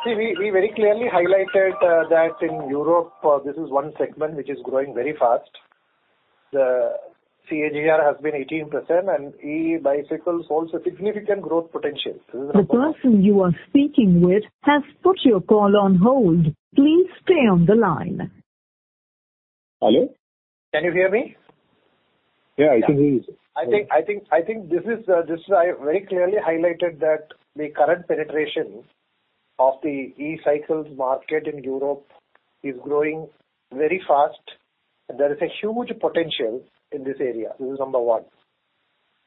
See, we very clearly highlighted that in Europe, this is one segment which is growing very fast. The CAGR has been 18%, and e-bicycles holds a significant growth potential. The person you are speaking with has put your call on hold. Please stay on the line. Hello? Can you hear me? Yeah, I can hear you. I very clearly highlighted that the current penetration of the e-cycle market in Europe is growing very fast. There is a huge potential in this area. This is number one.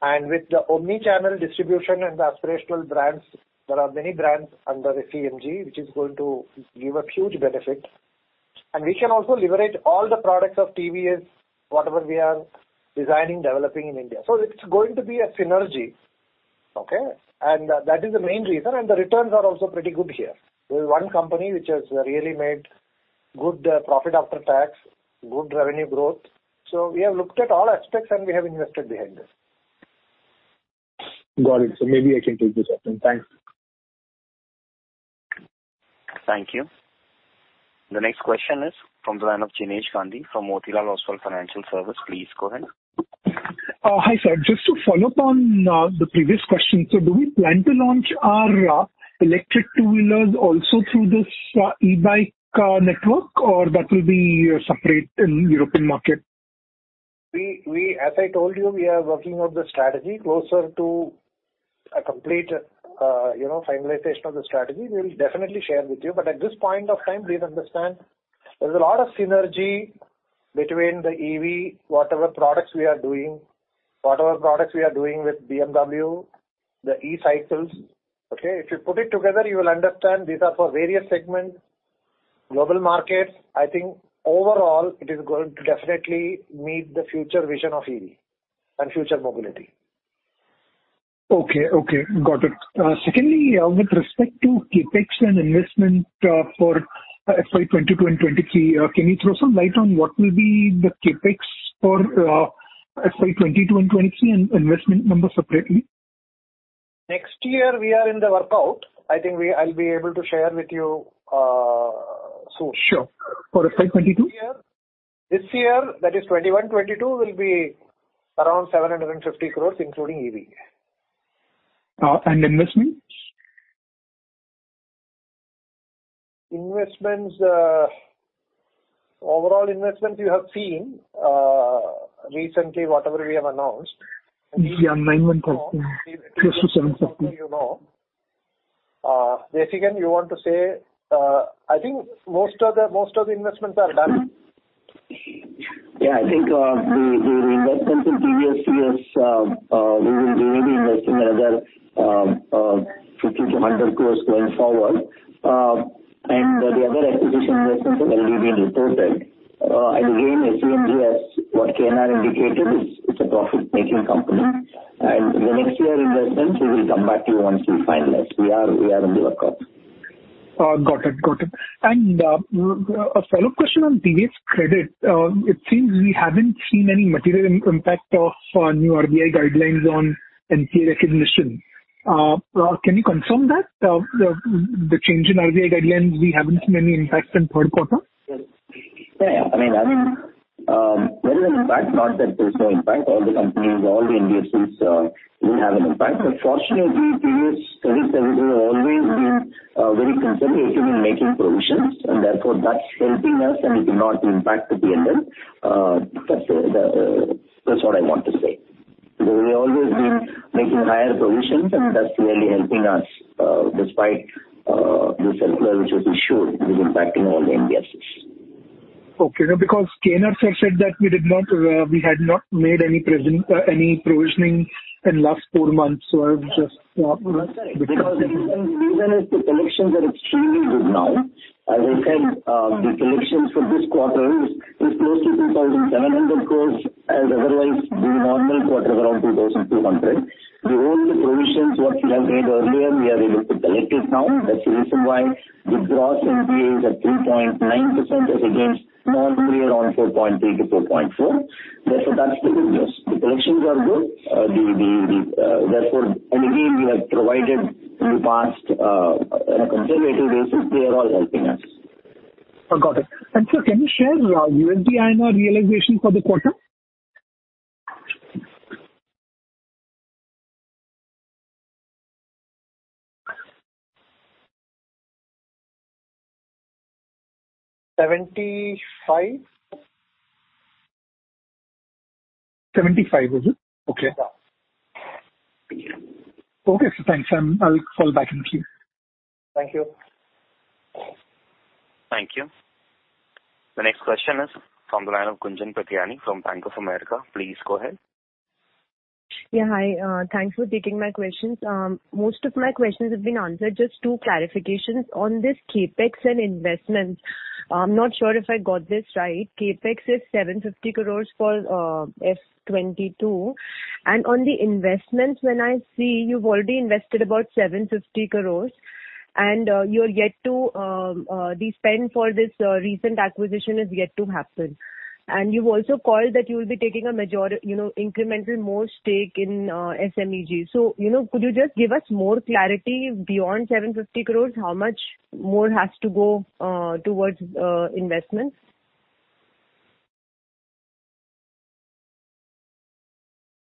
With the omni-channel distribution and aspirational brands, there are many brands under SEMG, which is going to give a huge benefit. We can also leverage all the products of TVS, whatever we are designing, developing in India. It's going to be a synergy, okay? That is the main reason, and the returns are also pretty good here. There is one company which has really made good profit after tax, good revenue growth. We have looked at all aspects, and we have invested behind this. Got it. Maybe I can take this up then. Thanks. Thank you. The next question is from the line of Jinesh Gandhi from Motilal Oswal Financial Services. Please go ahead. Hi, sir. Just to follow up on the previous question. Do we plan to launch our electric two-wheelers also through this e-bike network, or that will be separate in European market? As I told you, we are working out the strategy. Closer to a complete finalization of the strategy, we'll definitely share with you. At this point of time, please understand there's a lot of synergy between the EV, whatever products we are doing with BMW, the e-cycles. Okay. If you put it together, you will understand these are for various segments, global markets. I think overall it is going to definitely meet the future vision of EV and future mobility. Got it. Secondly, with respect to CapEx and investment, for FY 2022 and 2023, can you throw some light on what will be the CapEx for FY 2022 and 2023 and investment numbers separately? Next year we are in the workout. I think I'll be able to share with you soon. Sure. For FY 2022? This year, that is 2021-22, will be around 750 crores including EV. Investments? Investments, overall investments you have seen recently, whatever we have announced. Yeah. 91,000 close to 750. You know. Basically you want to say, I think most of the investments are done. I think the investments in previous years we may be investing another 50-100 crores going forward. The other acquisition investments will be being reported. Again, SEMG as what KNR indicated is a profit making company. Next year investments we will come back to you once we finalize. We are in the workout. Got it. A follow-up question on TVS Credit. It seems we haven't seen any material impact of new RBI guidelines on NPA recognition. Can you confirm that the change in RBI guidelines we haven't seen any impact in third quarter? Yeah. I mean, there is an impact, not that there's no impact. All the companies, all the NBFCs will have an impact. Fortunately TVS Credit has always been very conservative in making provisions and therefore that's helping us and it will not impact the PNL. That's what I want to say. We've always been making higher provisions and that's really helping us despite this impact which has been shown is impacting all the NBFCs. Okay. No, because KNR had said that we had not made any provisioning in last four months, so I would just, Because the reason is the collections are extremely good now. As I said, the collections for this quarter is close to 2,700 crores as otherwise the normal quarter is around 2,200. The only provisions what we have made earlier we are able to collect it now. That's the reason why the gross NPA is at 3.9% as against normally around 4.3%-4.4%. Therefore, that's the good news. The collections are good. Again, we have provided in the past, on a conservative basis. They are all helping us. Got it. Sir, can you share USD INR realization for the quarter? Seventy-five. 75, was it? Okay. Yeah. Okay, sir. Thanks. I'll call back in a few. Thank you. Thank you. The next question is from the line of Gunjan Prithyani from Bank of America. Please go ahead. Yeah. Hi, thanks for taking my questions. Most of my questions have been answered. Just two clarifications. On this CapEx and investments, I'm not sure if I got this right. CapEx is 750 crores for FY 2022. On the investments when I see you've already invested about 750 crores and you're yet to the spend for this recent acquisition is yet to happen. You've also called that you will be taking you know, incremental more stake in SEMG. You know, could you just give us more clarity beyond 750 crores, how much more has to go towards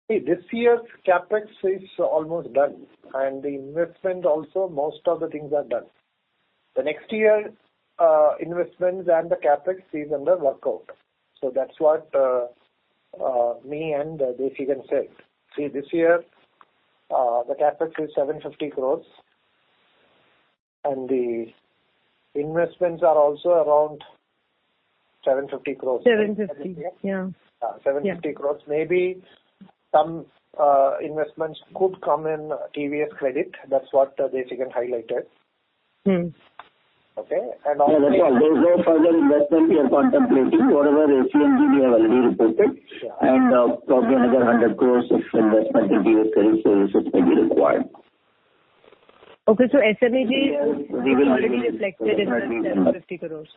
investments? This year's CapEx is almost done, and the investment also, most of the things are done. The next year, investments and the CapEx is under workout. That's what me and Desikan said. See, this year, the CapEx is 750 crores, and the investments are also around 750 crores. 750. Yeah. 750 crore. Maybe some investments could come in TVS Credit. That's what Desikan highlighted. Mm. Okay? Yeah, that's all. There's no further investment we are contemplating. Whatever SEMG we have already reported. Yeah. Probably another 100 crore of investment in TVS Credit Services may be required. Okay. SEMG is already reflected in that INR 750 crores.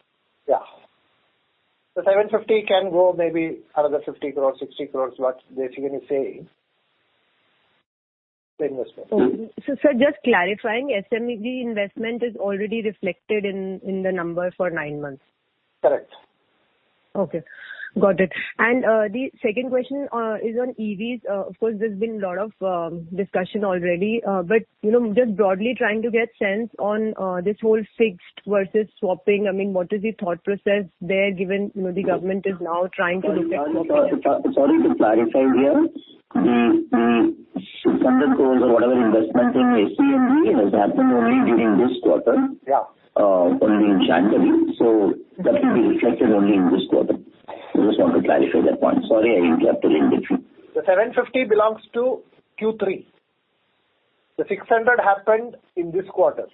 Yeah. The 750 can go maybe another 50 crores, 60 crores, what Desigan is saying, the investment. Sir, just clarifying, SEMG investment is already reflected in the number for nine months. Correct. Okay. Got it. The second question is on EVs. Of course, there's been a lot of discussion already. You know, just broadly trying to get sense on this whole fixed versus swapping. I mean, what is the thought process there, given you know, the government is now trying to Sorry to clarify here. The INR 100 crores or whatever investment in SEMG has happened only during this quarter. Yeah. Only in January. That will be reflected only in this quarter. I just want to clarify that point. Sorry, I interrupted in between. The 750 belongs to Q3. The 600 happened in this quarter.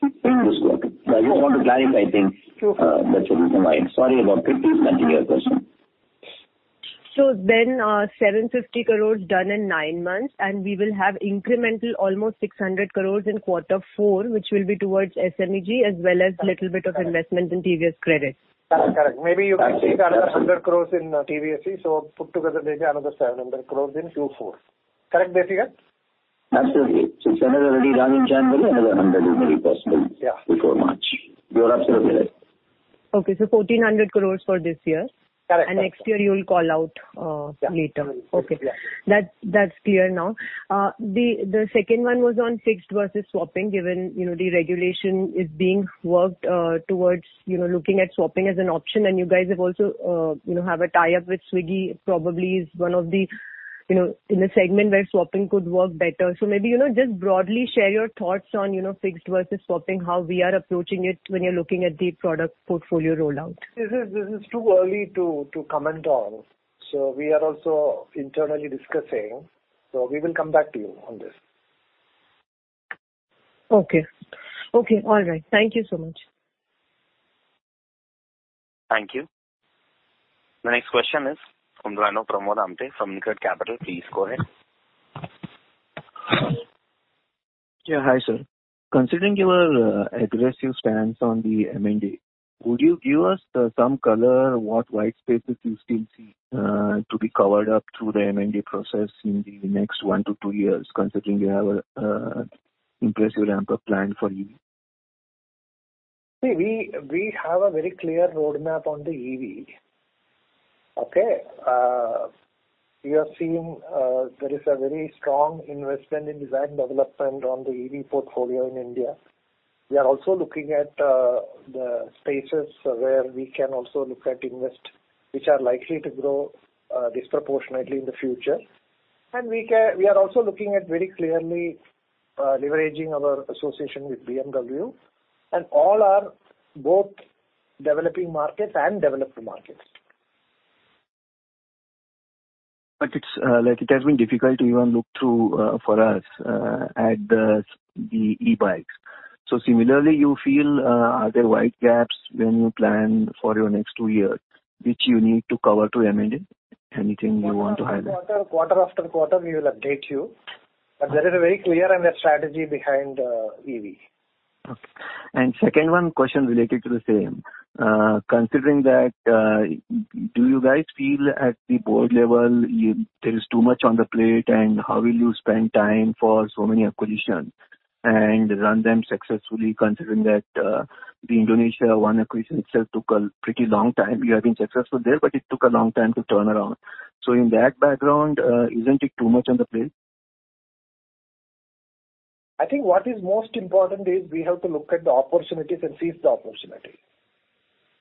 In this quarter. I just want to clarify things. Sure. That's the reason why. Sorry about it. Continue your question. 750 crores done in nine months, and we will have incremental almost 600 crores in quarter four, which will be towards SEMG as well as little bit of investment in TVS Credit. Correct. Maybe you can see another 100 crore in TVSE. Put together there is another 700 crore in Q4. Correct, Desikan? Absolutely. Since another already done in January, another hundred is very possible. Yeah. Before March. You're absolutely right. Okay. 1,400 crore for this year. Correct. Next year you will call out, later. Yeah. Okay. That's clear now. The second one was on fixed versus swapping, given, you know, the regulation is being worked towards, you know, looking at swapping as an option. You guys also have a tie-up with Swiggy probably is one of the, you know, in a segment where swapping could work better. Maybe, you know, just broadly share your thoughts on, you know, fixed versus swapping, how we are approaching it when you're looking at the product portfolio rollout. This is too early to comment on. We are also internally discussing. We will come back to you on this. Okay. All right. Thank you so much. Thank you. The next question is from the line of Pramod Amthe from InCred Capital. Please go ahead. Yeah, hi sir. Considering your aggressive stance on the M&A, would you give us some color, what white spaces you still see to be covered up through the M&A process in the next 1-2 years, considering you have an impressive ramp-up plan for EV? We have a very clear roadmap on the EV. Okay? We are seeing there is a very strong investment in design development on the EV portfolio in India. We are also looking at the spaces where we can also look to invest, which are likely to grow disproportionately in the future. We are also looking very clearly at leveraging our association with BMW and in both developing markets and developed markets. It's like it has been difficult to even look through for us at the e-bikes. Similarly, you feel, are there wide gaps when you plan for your next two years, which you need to cover through M&A? Anything you want to highlight? Quarter after quarter, we will update you. There is a very clear M&A strategy behind EV. Okay. Second one question related to the same. Considering that, do you guys feel at the board level you there is too much on the plate, and how will you spend time for so many acquisitions and run them successfully, considering that, the Indonesia one acquisition itself took a pretty long time? You have been successful there, but it took a long time to turn around. In that background, isn't it too much on the plate? I think what is most important is we have to look at the opportunities and seize the opportunity.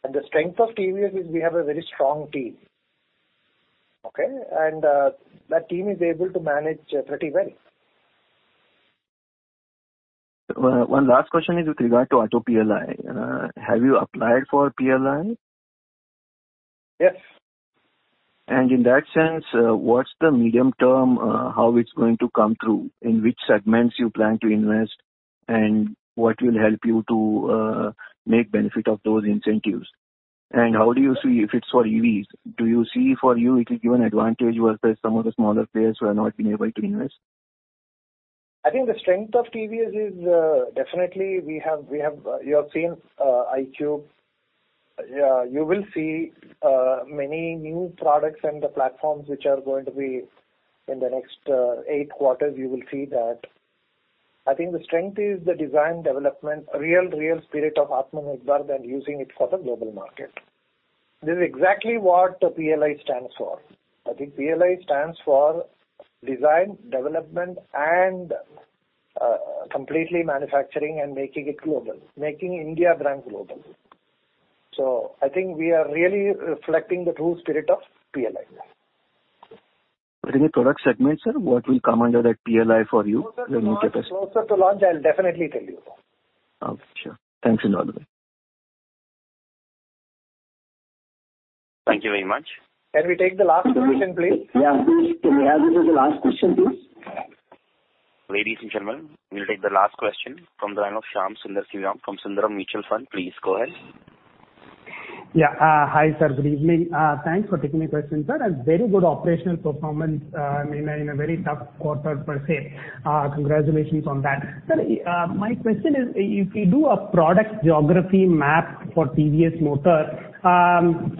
The strength of TVS is we have a very strong team. Okay? That team is able to manage pretty well. One last question is with regard to Auto PLI. Have you applied for PLI? Yes. What's the medium term, how it's going to come through? In which segments you plan to invest and what will help you to make benefit of those incentives? How do you see if it's for EVs? Do you see for you it will give an advantage versus some of the smaller players who have not been able to invest? I think the strength of TVS is definitely. You have seen iQube. You will see many new products and the platforms which are going to be in the next eight quarters. You will see that. I think the strength is the design development, real spirit of Atmanirbhar and using it for the global market. This is exactly what PLI stands for. I think PLI stands for design, development and completely manufacturing and making it global, making India brand global. I think we are really reflecting the true spirit of PLI. Any product segment, sir, what will come under that PLI for you when you get a- Closer to launch, I'll definitely tell you that. Okay, sure. Thanks a lot. Thank you very much. Can we take the last question, please? Yeah. Can we have the last question, please? Ladies and gentlemen, we'll take the last question from the line of Shyam Sundar Sriram from Sundaram Mutual Fund. Please go ahead. Hi, sir. Good evening. Thanks for taking the question, sir. A very good operational performance in a very tough quarter, per se. Congratulations on that. Sir, my question is if you do a product geography map for TVS Motor.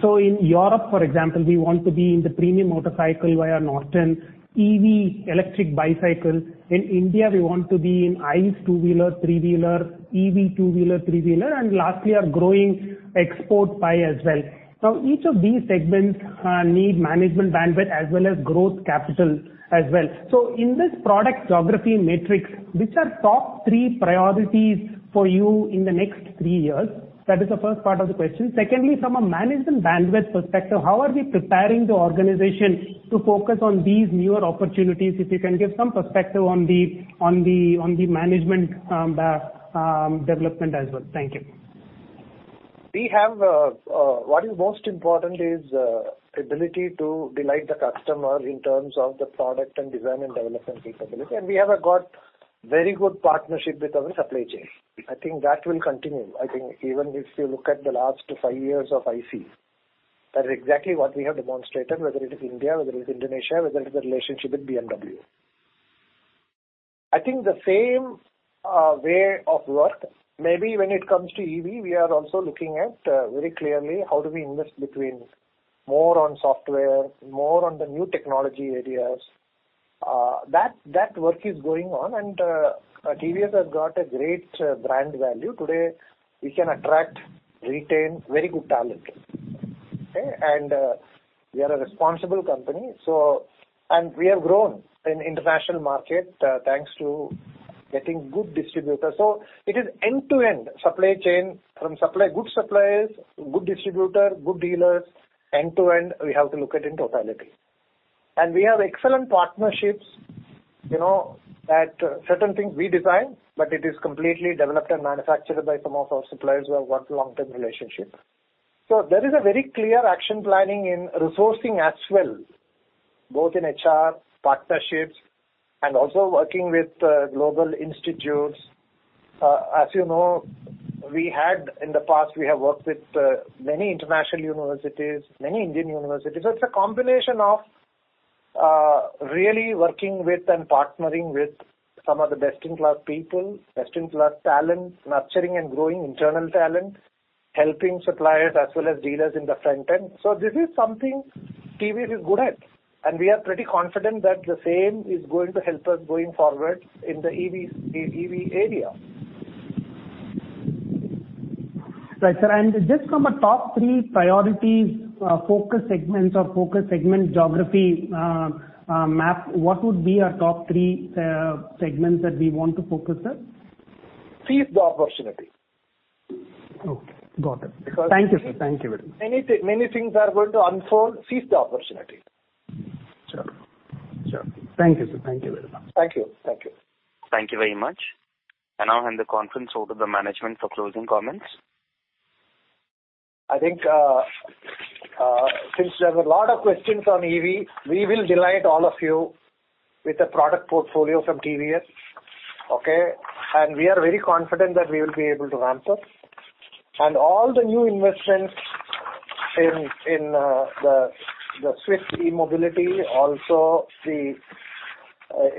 So in Europe, for example, we want to be in the premium motorcycle via Norton. EV, electric bicycle. In India, we want to be in ICE two-wheeler, three-wheeler. EV two-wheeler, three-wheeler. And lastly, our growing export pie as well. Now, each of these segments need management bandwidth as well as growth capital as well. So in this product geography matrix, which are top three priorities for you in the next three years? That is the first part of the question. Secondly, from a management bandwidth perspective, how are we preparing the organization to focus on these newer opportunities? If you can give some perspective on the management development as well. Thank you. What is most important is ability to delight the customer in terms of the product and design and development capability. We have got very good partnership with our supply chain. I think that will continue. I think even if you look at the last five years of ICE, that is exactly what we have demonstrated, whether it is India, whether it is Indonesia, whether it is the relationship with BMW. I think the same way of work, maybe when it comes to EV, we are also looking at very clearly how do we invest between more on software, more on the new technology areas. That work is going on and TVS has got a great brand value. Today, we can attract, retain very good talent. Okay. We are a responsible company. We have grown in international market, thanks to getting good distributors. It is end-to-end supply chain from supply. Good suppliers, good distributor, good dealers. End-to-end, we have to look at in totality. We have excellent partnerships, you know, that certain things we design, but it is completely developed and manufactured by some of our suppliers who have worked long-term relationship. There is a very clear action planning in resourcing as well, both in HR, partnerships and also working with global institutes. As you know, in the past, we have worked with many international universities, many Indian universities. It is a combination of really working with and partnering with some of the best-in-class people, best-in-class talent, nurturing and growing internal talent. Helping suppliers as well as dealers in the front end. This is something TVS is good at, and we are pretty confident that the same is going to help us going forward in the EV area. Right, sir. Just from a top three priorities, focus segments or focus segment geography map, what would be our top three segments that we want to focus, sir? Seize the opportunity. Okay. Got it. Because- Thank you, sir. Thank you very much. Many things are going to unfold. Seize the opportunity. Sure. Thank you, sir. Thank you very much. Thank you. Thank you. Thank you very much. I now hand the conference over to the management for closing comments. I think since there's a lot of questions on EV, we will delight all of you with the product portfolio from TVS. Okay? We are very confident that we will be able to ramp up. All the new investments in the Swiss E-Mobility, also the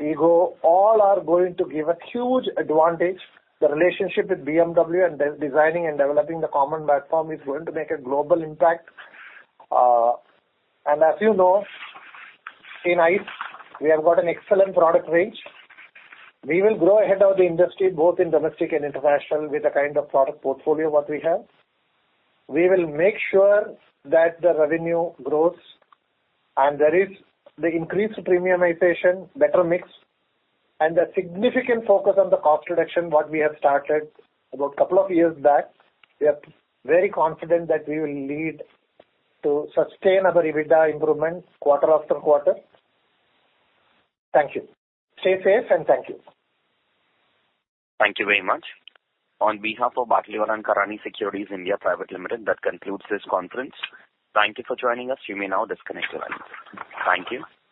EGO, all are going to give a huge advantage. The relationship with BMW and co-designing and developing the common platform is going to make a global impact. As you know, in ICE, we have got an excellent product range. We will grow ahead of the industry, both in domestic and international, with the kind of product portfolio what we have. We will make sure that the revenue grows and there is the increased premiumization, better mix, and a significant focus on the cost reduction, what we have started about a couple of years back. We are very confident that we will lead to sustainable EBITDA improvements quarter after quarter. Thank you. Stay safe, and thank you. Thank you very much. On behalf of B&K Securities, that concludes this conference. Thank you for joining us. You may now disconnect your lines. Thank you.